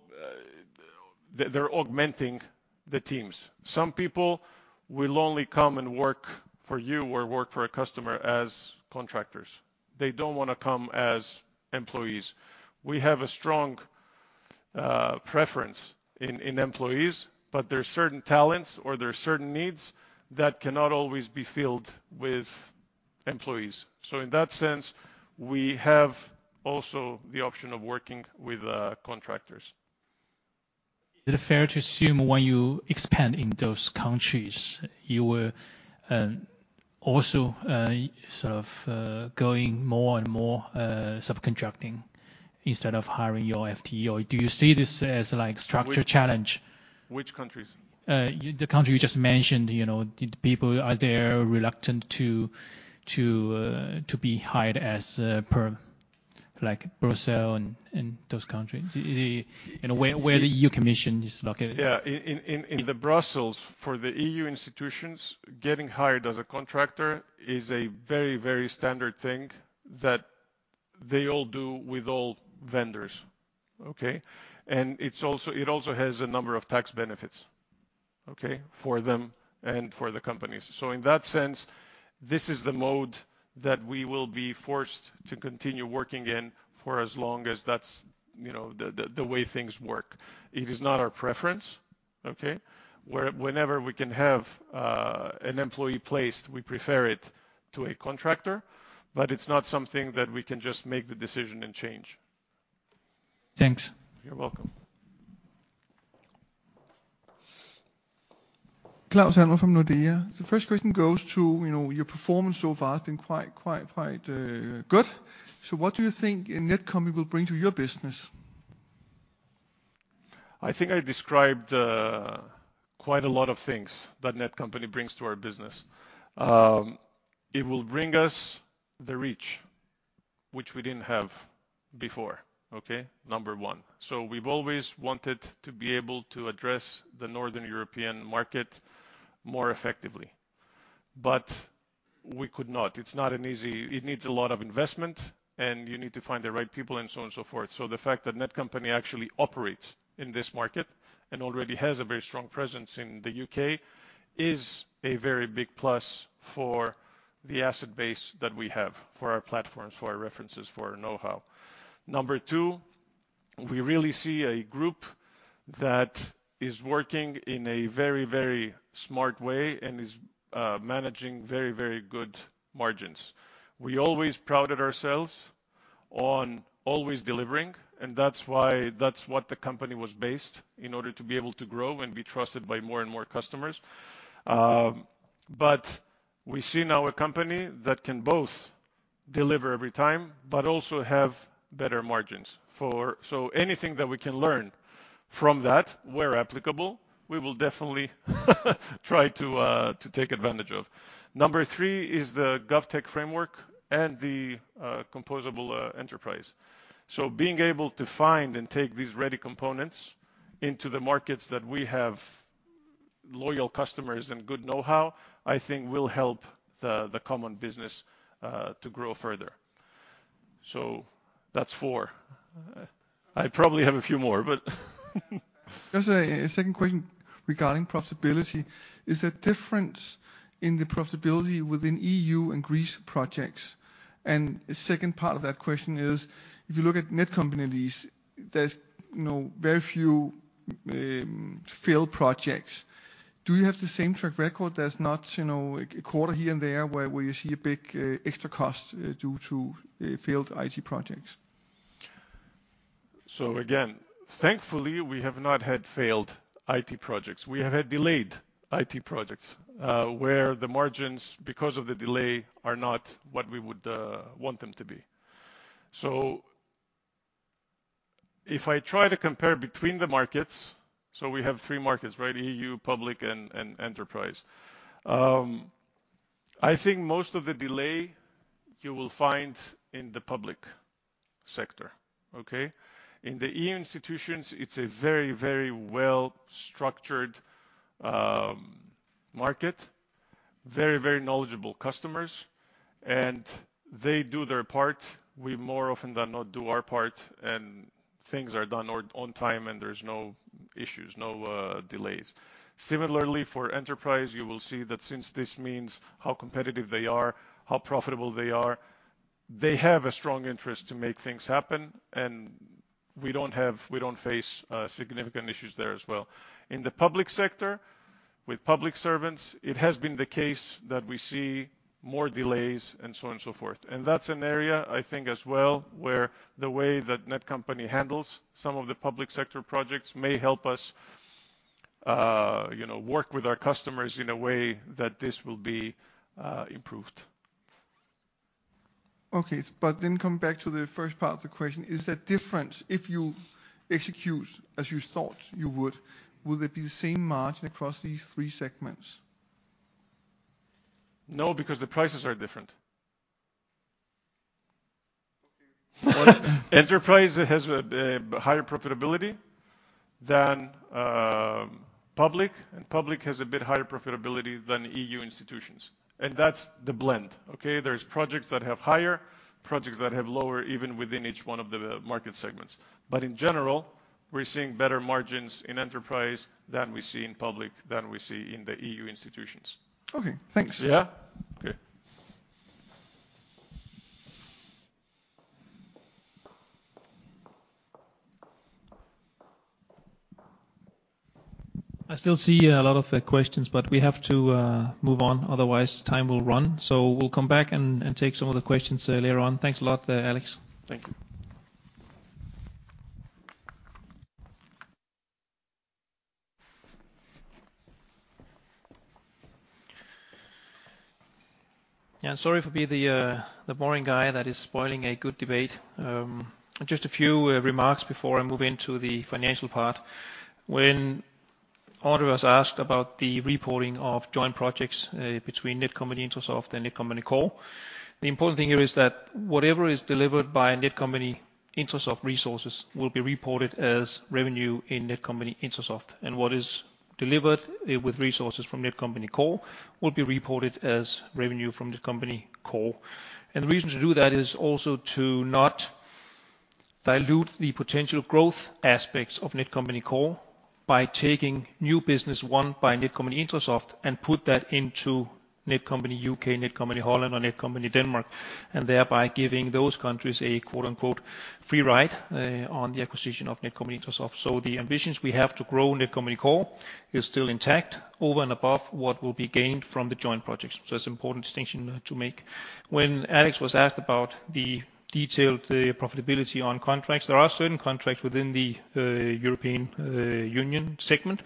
they're augmenting the teams. Some people will only come and work for you or work for a customer as contractors. They don't wanna come as employees. We have a strong preference in employees, but there are certain talents or there are certain needs that cannot always be filled with employees. In that sense, we have also the option of working with contractors. Is it fair to assume when you expand in those countries, you will also sort of going more and more subcontracting instead of hiring your FTE, or do you see this as like structural challenge? Which countries? The country you just mentioned, you know, the people are they reluctant to be hired as a per, like Brussels and those countries, you know, where the European Commission is located. In Brussels, for the EU institutions, getting hired as a contractor is a very, very standard thing that they all do with all vendors, okay? It also has a number of tax benefits, okay? For them and for the companies. In that sense, this is the mode that we will be forced to continue working in for as long as that's, you know, the way things work. It is not our preference, okay? Whenever we can have an employee placed, we prefer it to a contractor, but it's not something that we can just make the decision and change. Thanks. You're welcome. Claus Almer from Nordea. The first question goes to, you know, your performance so far has been quite good. What do you think Netcompany will bring to your business? I think I described quite a lot of things that Netcompany brings to our business. It will bring us the reach, which we didn't have before, okay? Number one. We've always wanted to be able to address the Northern European market more effectively, but we could not. It's not an easy. It needs a lot of investment, and you need to find the right people and so on and so forth. The fact that Netcompany actually operates in this market and already has a very strong presence in the U.K. is a very big plus for the asset base that we have for our platforms, for our references, for our know-how. Number two, we really see a group that is working in a very, very smart way and is managing very, very good margins. We always prided ourselves on always delivering, and that's why. That's what the company was based in order to be able to grow and be trusted by more and more customers. We see now a company that can both deliver every time, but also have better margins. Anything that we can learn from that, where applicable, we will definitely try to take advantage of. Number three is the GovTech Framework and the composable enterprise. Being able to find and take these ready components into the markets that we have loyal customers and good know-how, I think will help the common business to grow further. That's four. I probably have a few more, but Just a second question regarding profitability. Is there difference in the profitability within EU and Greece projects? Second part of that question is, if you look at Netcompany at least, there's, you know, very few failed projects. Do you have the same track record that's not, you know, a quarter here and there where you see a big extra cost due to failed IT projects? Again, thankfully, we have not had failed IT projects. We have had delayed IT projects, where the margins, because of the delay, are not what we would want them to be. If I try to compare between the markets, we have three markets, right? EU, public, and enterprise. I think most of the delay you will find in the public sector. Okay? In the EU institutions, it's a very, very well-structured market. Very, very knowledgeable customers, and they do their part. We more often than not do our part, and things are done on time, and there's no issues, no delays. Similarly, for enterprise, you will see that since this means how competitive they are, how profitable they are, they have a strong interest to make things happen, and we don't face significant issues there as well. In the public sector with public servants, it has been the case that we see more delays and so on and so forth, and that's an area, I think, as well, where the way that Netcompany handles some of the public sector projects may help us, you know, work with our customers in a way that this will be improved. Okay. Come back to the first part of the question. Is there difference if you execute as you thought you would, will it be the same margin across these three segments? No, because the prices are different. Okay. Enterprise has a higher profitability than public, and public has a bit higher profitability than EU institutions. That's the blend. Okay. There are projects that have higher, projects that have lower, even within each one of the market segments. In general, we're seeing better margins in enterprise than we see in public, than we see in the EU institutions. Okay, thanks. Yeah. Okay. I still see a lot of questions, but we have to move on, otherwise time will run. We'll come back and take some of the questions later on. Thanks a lot, Alex. Thank you. Yeah. Sorry for being the boring guy that is spoiling a good debate. Just a few remarks before I move into the financial part. When Otto was asked about the reporting of joint projects between Netcompany-Intrasoft and Netcompany Core, the important thing here is that whatever is delivered by Netcompany-Intrasoft resources will be reported as revenue in Netcompany-Intrasoft. What is delivered with resources from Netcompany Core will be reported as revenue from Netcompany Core. The reason to do that is also to not dilute the potential growth aspects of Netcompany Core by taking new business won by Netcompany-Intrasoft and put that into Netcompany U.K., Netcompany Netherlands, or Netcompany Denmark, and thereby giving those countries a, quote-unquote, "free ride" on the acquisition of Netcompany-Intrasoft. The ambitions we have to grow Netcompany Core is still intact over and above what will be gained from the joint projects. It's an important distinction to make. When Alex was asked about the detailed profitability on contracts, there are certain contracts within the European Union segment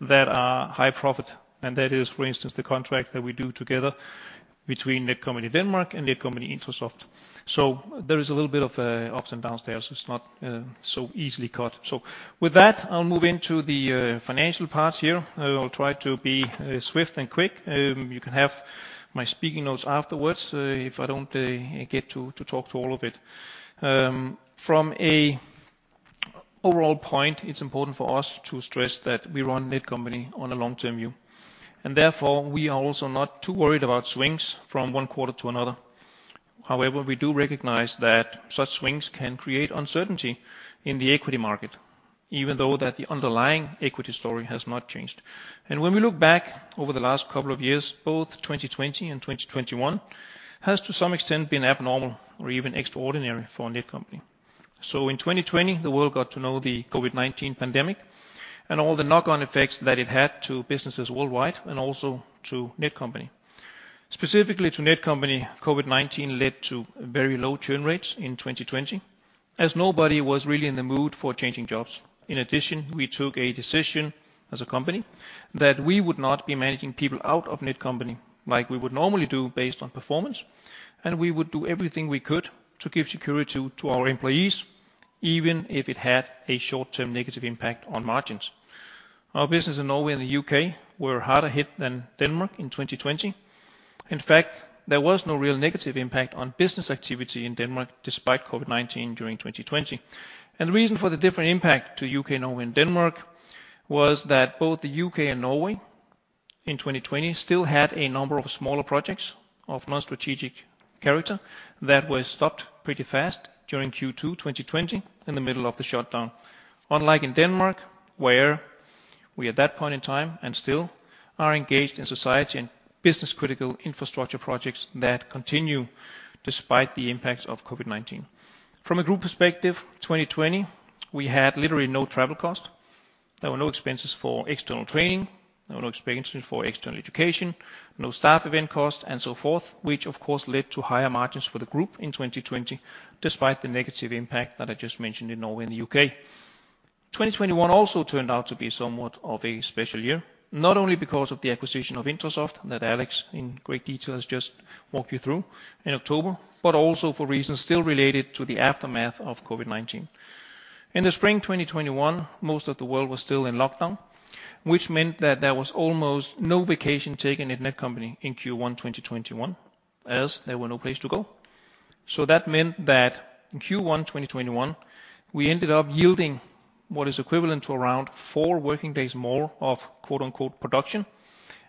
that are high profit, and that is, for instance, the contract that we do together between Netcompany Denmark and Netcompany-Intrasoft. There is a little bit of ups and downs there. It's not so easily cut. With that, I'll move into the financial part here. I'll try to be swift and quick. You can have my speaking notes afterwards if I don't get to talk to all of it. From an overall point, it's important for us to stress that we run Netcompany on a long-term view, and therefore we are also not too worried about swings from one quarter to another. However, we do recognize that such swings can create uncertainty in the equity market, even though the underlying equity story has not changed. When we look back over the last couple of years, both 2020 and 2021 has to some extent been abnormal or even extraordinary for Netcompany. In 2020, the world got to know the COVID-19 pandemic and all the knock-on effects that it had to businesses worldwide and also to Netcompany. Specifically to Netcompany, COVID-19 led to very low churn rates in 2020, as nobody was really in the mood for changing jobs. In addition, we took a decision as a company that we would not be managing people out of Netcompany like we would normally do based on performance, and we would do everything we could to give security to our employees, even if it had a short-term negative impact on margins. Our business in Norway and the U.K. were harder hit than Denmark in 2020. In fact, there was no real negative impact on business activity in Denmark despite COVID-19 during 2020. The reason for the different impact to U.K., Norway, and Denmark was that both the U.K. and Norway. In 2020, still had a number of smaller projects of non-strategic character that were stopped pretty fast during Q2 2020 in the middle of the shutdown. Unlike in Denmark, where we at that point in time, and still, are engaged in society and business-critical infrastructure projects that continue despite the impacts of COVID-19. From a group perspective, in 2020, we had literally no travel cost. There were no expenses for external training. There were no expenses for external education, no staff event costs, and so forth, which of course led to higher margins for the group in 2020, despite the negative impact that I just mentioned in Norway and the U.K. 2021 also turned out to be somewhat of a special year, not only because of the acquisition of Intrasoft that Alex in great detail has just walked you through in October, but also for reasons still related to the aftermath of COVID-19. In the spring 2021, most of the world was still in lockdown, which meant that there was almost no vacation taken at Netcompany in Q1 2021, as there were no place to go. That meant that in Q1 2021, we ended up yielding what is equivalent to around 4 working days more of quote-unquote production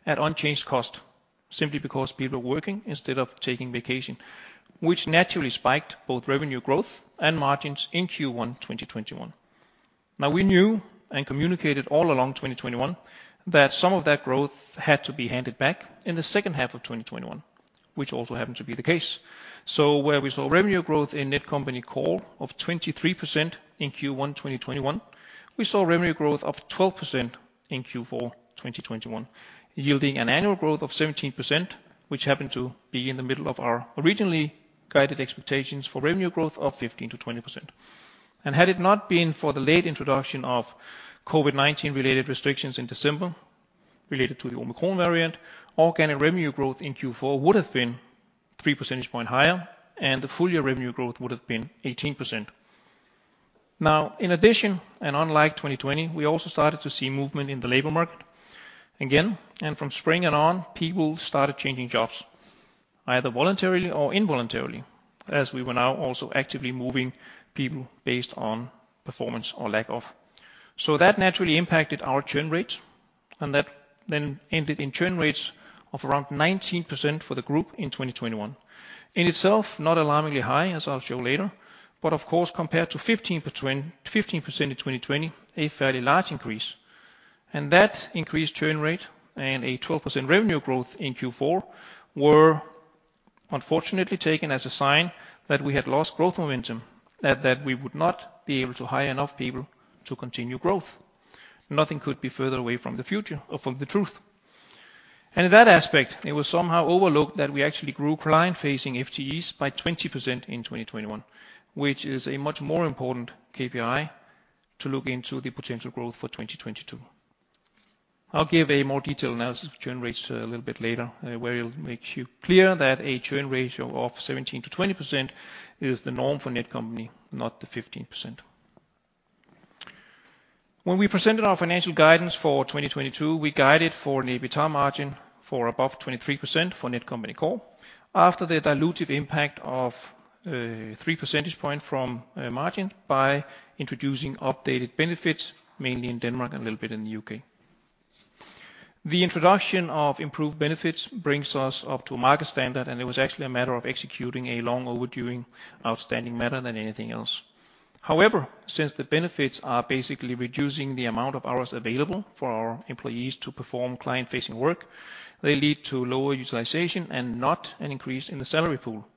at unchanged cost, simply because people are working instead of taking vacation, which naturally spiked both revenue growth and margins in Q1 2021. Now, we knew and communicated all along 2021 that some of that growth had to be handed back in the second half of 2021, which also happened to be the case. Where we saw revenue growth in Netcompany Core of 23% in Q1 2021, we saw revenue growth of 12% in Q4 2021, yielding an annual growth of 17%, which happened to be in the middle of our originally guided expectations for revenue growth of 15%-20%. Had it not been for the late introduction of COVID-19-related restrictions in December related to the Omicron variant, organic revenue growth in Q4 would have been three percentage point higher, and the full-year revenue growth would have been 18%. Now, in addition, and unlike 2020, we also started to see movement in the labor market again, and from spring and on, people started changing jobs, either voluntarily or involuntarily, as we were now also actively moving people based on performance or lack of. That naturally impacted our churn rates, and that then ended in churn rates of around 19% for the group in 2021. In itself, not alarmingly high, as I'll show later, but of course, compared to 15% in 2020, a fairly large increase. That increased churn rate and a 12% revenue growth in Q4 were unfortunately taken as a sign that we had lost growth momentum, that we would not be able to hire enough people to continue growth. Nothing could be further from the truth. In that aspect, it was somehow overlooked that we actually grew client-facing FTEs by 20% in 2021, which is a much more important KPI to look into the potential growth for 2022. I'll give a more detailed analysis of churn rates a little bit later, where it'll make you clear that a churn ratio of 17%-20% is the norm for Netcompany, not the 15%. When we presented our financial guidance for 2022, we guided for an EBITDA margin of above 23% for Netcompany Core after the dilutive impact of three percentage points from the margin by introducing updated benefits, mainly in Denmark and a little bit in the U.K. The introduction of improved benefits brings us up to market standard, and it was actually a matter of executing a long overdue outstanding matter than anything else. However, since the benefits are basically reducing the amount of hours available for our employees to perform client-facing work, they lead to lower utilization and not an increase in the salary pool.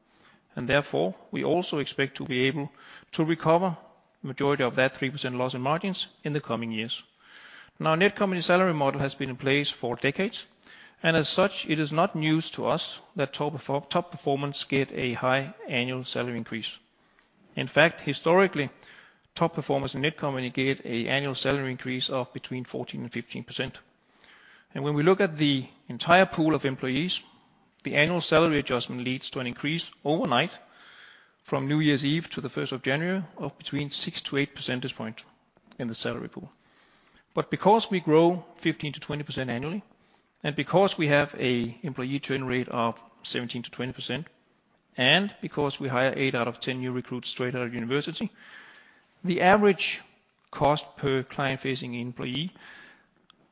Therefore, we also expect to be able to recover majority of that 3% loss in margins in the coming years. Now, Netcompany salary model has been in place for decades, and as such, it is not news to us that top performers get a high annual salary increase. In fact, historically, top performers in Netcompany get a annual salary increase of between 14% and 15%. When we look at the entire pool of employees, the annual salary adjustment leads to an increase overnight from New Year's Eve to the first of January of between 6-8 percentage point in the salary pool. Because we grow 15%-20% annually, and because we have a employee churn rate of 17%-20%, and because we hire 8 out of 10 new recruits straight out of university, the average cost per client-facing employee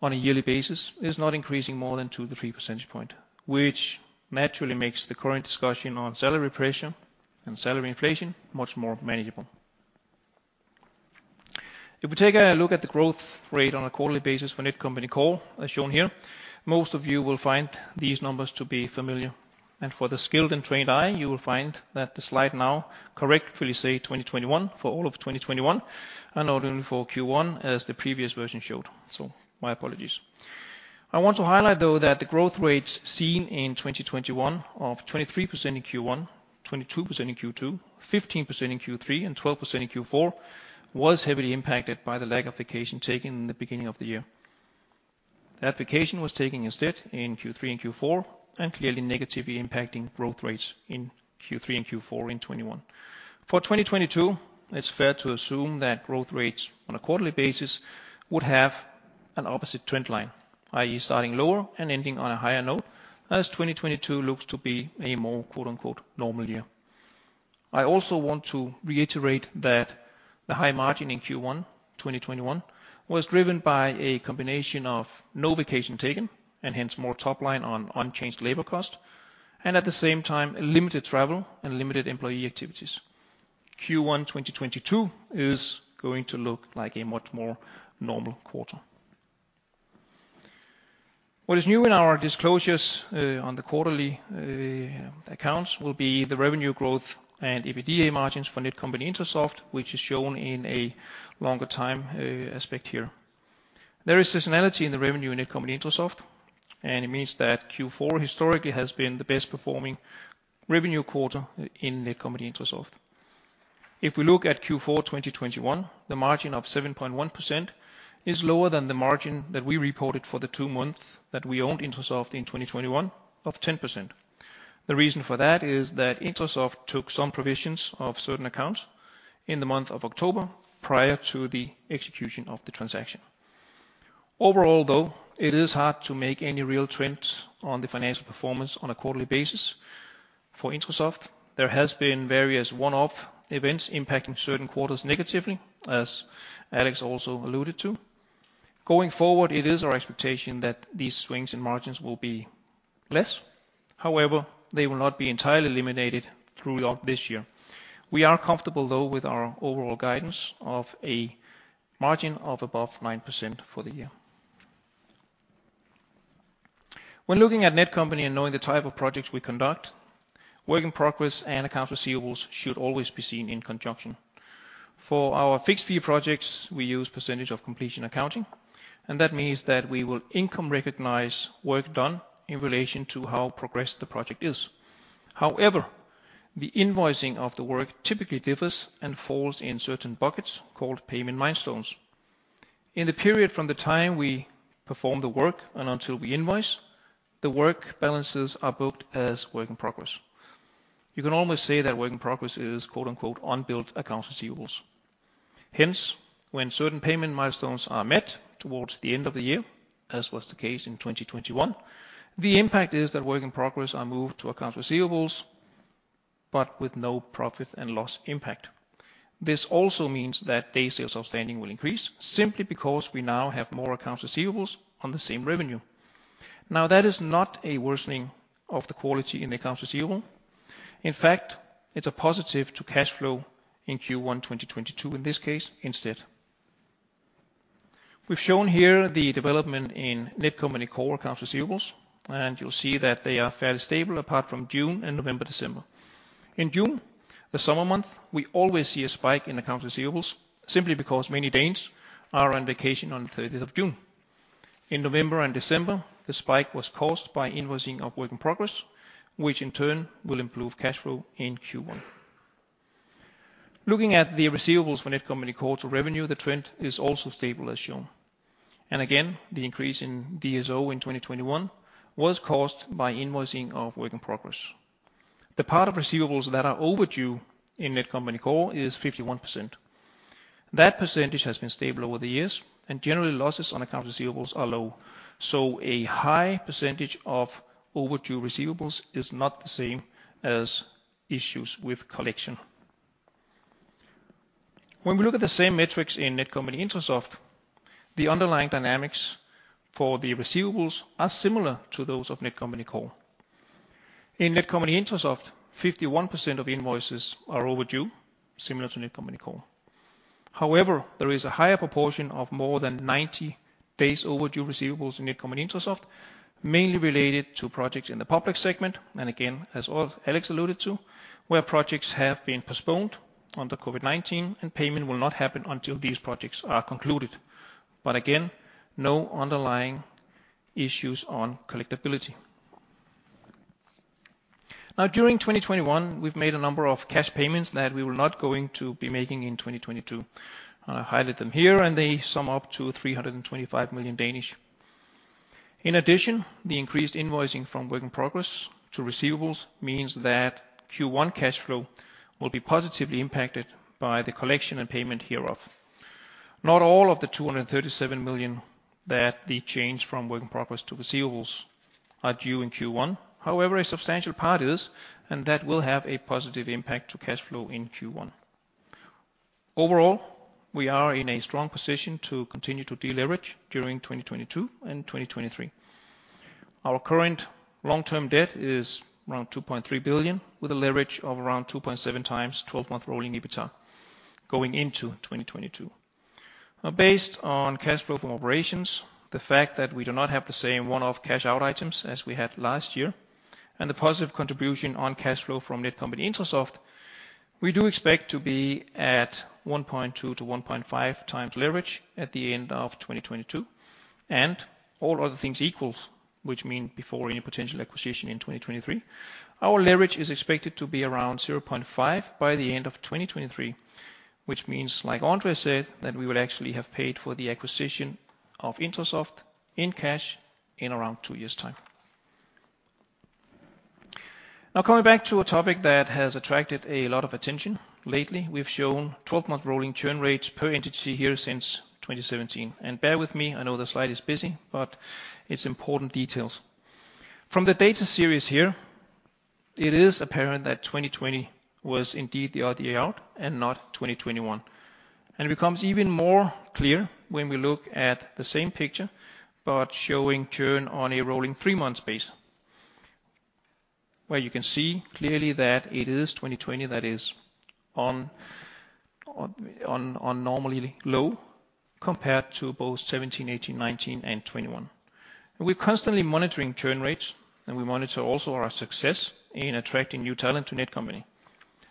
on a yearly basis is not increasing more than 2-3 percentage point, which naturally makes the current discussion on salary pressure and salary inflation much more manageable. If we take a look at the growth rate on a quarterly basis for Netcompany Core, as shown here, most of you will find these numbers to be familiar. For the skilled and trained eye, you will find that the slide now correctly say 2021 for all of 2021 and not only for Q1 as the previous version showed. My apologies. I want to highlight, though, that the growth rates seen in 2021 of 23% in Q1, 22% in Q2, 15% in Q3, and 12% in Q4 was heavily impacted by the lack of vacation taken in the beginning of the year. That vacation was taken instead in Q3 and Q4 and clearly negatively impacting growth rates in Q3 and Q4 in 2021. For 2022, it's fair to assume that growth rates on a quarterly basis would have an opposite trend line, i.e. starting lower and ending on a higher note, as 2022 looks to be a more, quote-unquote, normal year. I also want to reiterate that the high margin in Q1 2021 was driven by a combination of no vacation taken, and hence more top line on unchanged labor cost, and at the same time, limited travel and limited employee activities. Q1 2022 is going to look like a much more normal quarter. What is new in our disclosures on the quarterly accounts will be the revenue growth and EBITDA margins for Netcompany-Intrasoft, which is shown in a longer time aspect here. There is seasonality in the revenue in Netcompany-Intrasoft, and it means that Q4 historically has been the best performing revenue quarter in Netcompany-Intrasoft. If we look at Q4 2021, the margin of 7.1% is lower than the margin that we reported for the two months that we owned Intrasoft in 2021 of 10%. The reason for that is that Intrasoft took some provisions of certain accounts in the month of October prior to the execution of the transaction. Overall, though, it is hard to make any real trends on the financial performance on a quarterly basis for Intrasoft. There has been various one-off events impacting certain quarters negatively, as Alex also alluded to. Going forward, it is our expectation that these swings in margins will be less. However, they will not be entirely eliminated throughout this year. We are comfortable though with our overall guidance of a margin of above 9% for the year. When looking at Netcompany and knowing the type of projects we conduct, work in progress and accounts receivables should always be seen in conjunction. For our fixed-fee projects, we use percentage of completion accounting, and that means that we will income recognize work done in relation to how progressed the project is. However, the invoicing of the work typically differs and falls in certain buckets called payment milestones. In the period from the time we perform the work and until we invoice, the work balances are booked as work in progress. You can almost say that work in progress is, quote-unquote, "unbilled accounts receivable". Hence, when certain payment milestones are met towards the end of the year, as was the case in 2021, the impact is that work in progress are moved to accounts receivable, but with no profit and loss impact. This also means that day sales outstanding will increase simply because we now have more accounts receivable on the same revenue. Now, that is not a worsening of the quality in the accounts receivable. In fact, it's a positive to cash flow in Q1 2022 in this case instead. We've shown here the development in Netcompany Core accounts receivable, and you'll see that they are fairly stable apart from June and November, December. In June, the summer month, we always see a spike in accounts receivable simply because many Danes are on vacation on thirtieth of June. In November and December, the spike was caused by invoicing of work in progress, which in turn will improve cash flow in Q1. Looking at the receivables for Netcompany Core to revenue, the trend is also stable as shown. Again, the increase in DSO in 2021 was caused by invoicing of work in progress. The part of receivables that are overdue in Netcompany Core is 51%. That percentage has been stable over the years, and generally losses on accounts receivables are low. A high percentage of overdue receivables is not the same as issues with collection. When we look at the same metrics in Netcompany-Intrasoft, the underlying dynamics for the receivables are similar to those of Netcompany Core. In Netcompany-Intrasoft, 51% of invoices are overdue, similar to Netcompany Core. However, there is a higher proportion of more than 90 days overdue receivables in Netcompany-Intrasoft, mainly related to projects in the public segment, and again, as Alex alluded to, where projects have been postponed under COVID-19 and payment will not happen until these projects are concluded. Again, no underlying issues on collectability. Now, during 2021, we've made a number of cash payments that we were not going to be making in 2022. I highlight them here, and they sum up to 325 million. In addition, the increased invoicing from work in progress to receivables means that Q1 cash flow will be positively impacted by the collection and payment hereof. Not all of the 237 million that the change from work in progress to receivables are due in Q1. However, a substantial part is, and that will have a positive impact to cash flow in Q1. Overall, we are in a strong position to continue to deleverage during 2022 and 2023. Our current long-term debt is around 2.3 billion, with a leverage of around 2.7x twelve-month rolling EBITDA going into 2022. Now based on cash flow from operations, the fact that we do not have the same one-off cash out items as we had last year, and the positive contribution on cash flow from Netcompany-Intrasoft, we do expect to be at 1.2x-1.5x leverage at the end of 2022. All other things equal, which means before any potential acquisition in 2023, our leverage is expected to be around 0.5x by the end of 2023. Which means, like Andre said, that we would actually have paid for the acquisition of Intrasoft in cash in around 2 years' time. Now, coming back to a topic that has attracted a lot of attention lately, we've shown 12-month rolling churn rates per entity here since 2017. Bear with me, I know the slide is busy, but it's important details. From the data series here, it is apparent that 2020 was indeed the odd year out, and not 2021. It becomes even more clear when we look at the same picture, but showing churn on a rolling 3-month base. Where you can see clearly that it is 2020 that is abnormally low compared to both 2017, 2018, 2019, and 2021. We're constantly monitoring churn rates, and we monitor also our success in attracting new talent to Netcompany.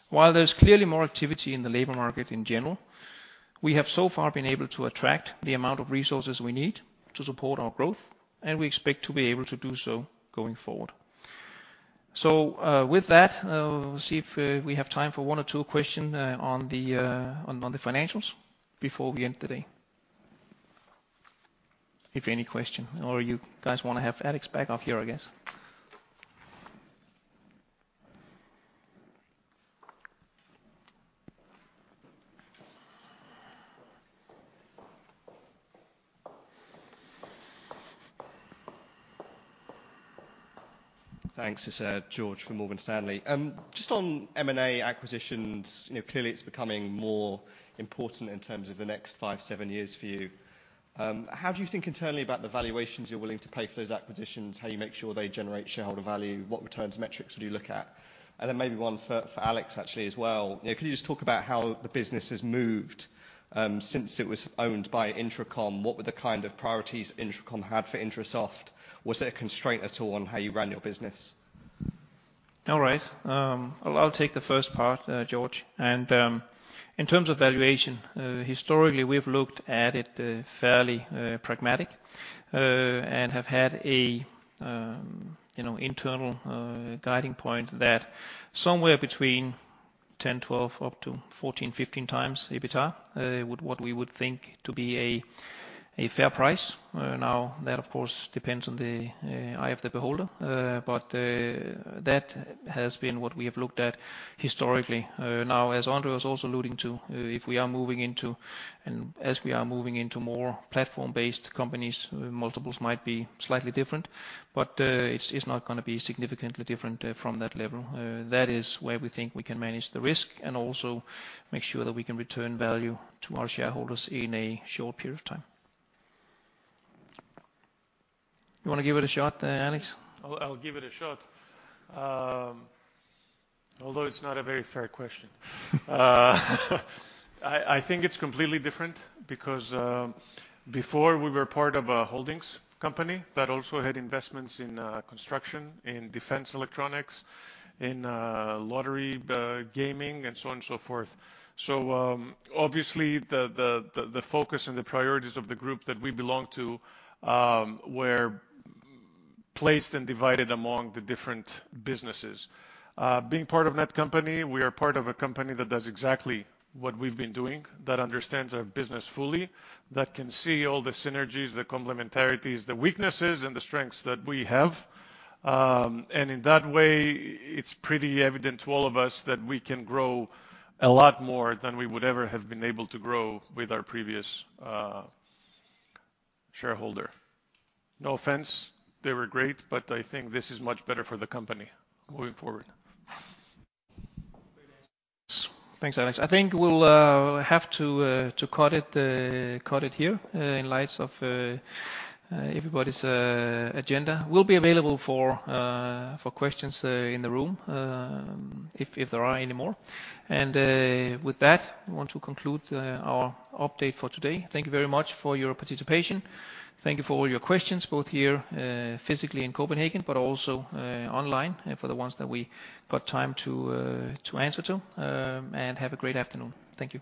While there's clearly more activity in the labor market in general, we have so far been able to attract the amount of resources we need to support our growth, and we expect to be able to do so going forward. With that, I'll see if we have time for one or two question on the financials before we end today. If any question or you guys wanna have Alex back up here, I guess. Thanks. It's George from Morgan Stanley. Just on M&A acquisitions, you know, clearly it's becoming more important in terms of the next 5-7 years for you. How do you think internally about the valuations you're willing to pay for those acquisitions? How you make sure they generate shareholder value? What returns metrics would you look at? Then maybe one for Alex actually as well. You know, could you just talk about how the business has moved since it was owned by Intracom? What were the kind of priorities Intracom had for Intrasoft? Was there a constraint at all on how you ran your business? All right. I'll take the first part, George. In terms of valuation, historically, we've looked at it fairly pragmatic and have had a, you know, internal guiding point that somewhere between 10-12 up to 14-15 times EBITA would what we would think to be a fair price. Now, that of course depends on the eye of the beholder. But that has been what we have looked at historically. Now, as André was also alluding to, as we are moving into more platform-based companies, multiples might be slightly different, but it's not gonna be significantly different from that level. That is where we think we can manage the risk and also make sure that we can return value to our shareholders in a short period of time. You wanna give it a shot, Alex? I'll give it a shot. Although it's not a very fair question. I think it's completely different because, before we were part of a holdings company that also had investments in construction, in defense electronics, in lottery, gaming and so on and so forth. Obviously, the focus and the priorities of the group that we belong to were placed and divided among the different businesses. Being part of Netcompany, we are part of a company that does exactly what we've been doing, that understands our business fully, that can see all the synergies, the complementarities, the weaknesses and the strengths that we have. In that way it's pretty evident to all of us that we can grow a lot more than we would ever have been able to grow with our previous shareholder. No offense, they were great, but I think this is much better for the company moving forward. Thanks, Alex. I think we'll have to cut it here in light of everybody's agenda. We'll be available for questions in the room if there are any more. With that, I want to conclude our update for today. Thank you very much for your participation. Thank you for all your questions, both here physically in Copenhagen, but also online, and for the ones that we got time to answer to. Have a great afternoon. Thank you.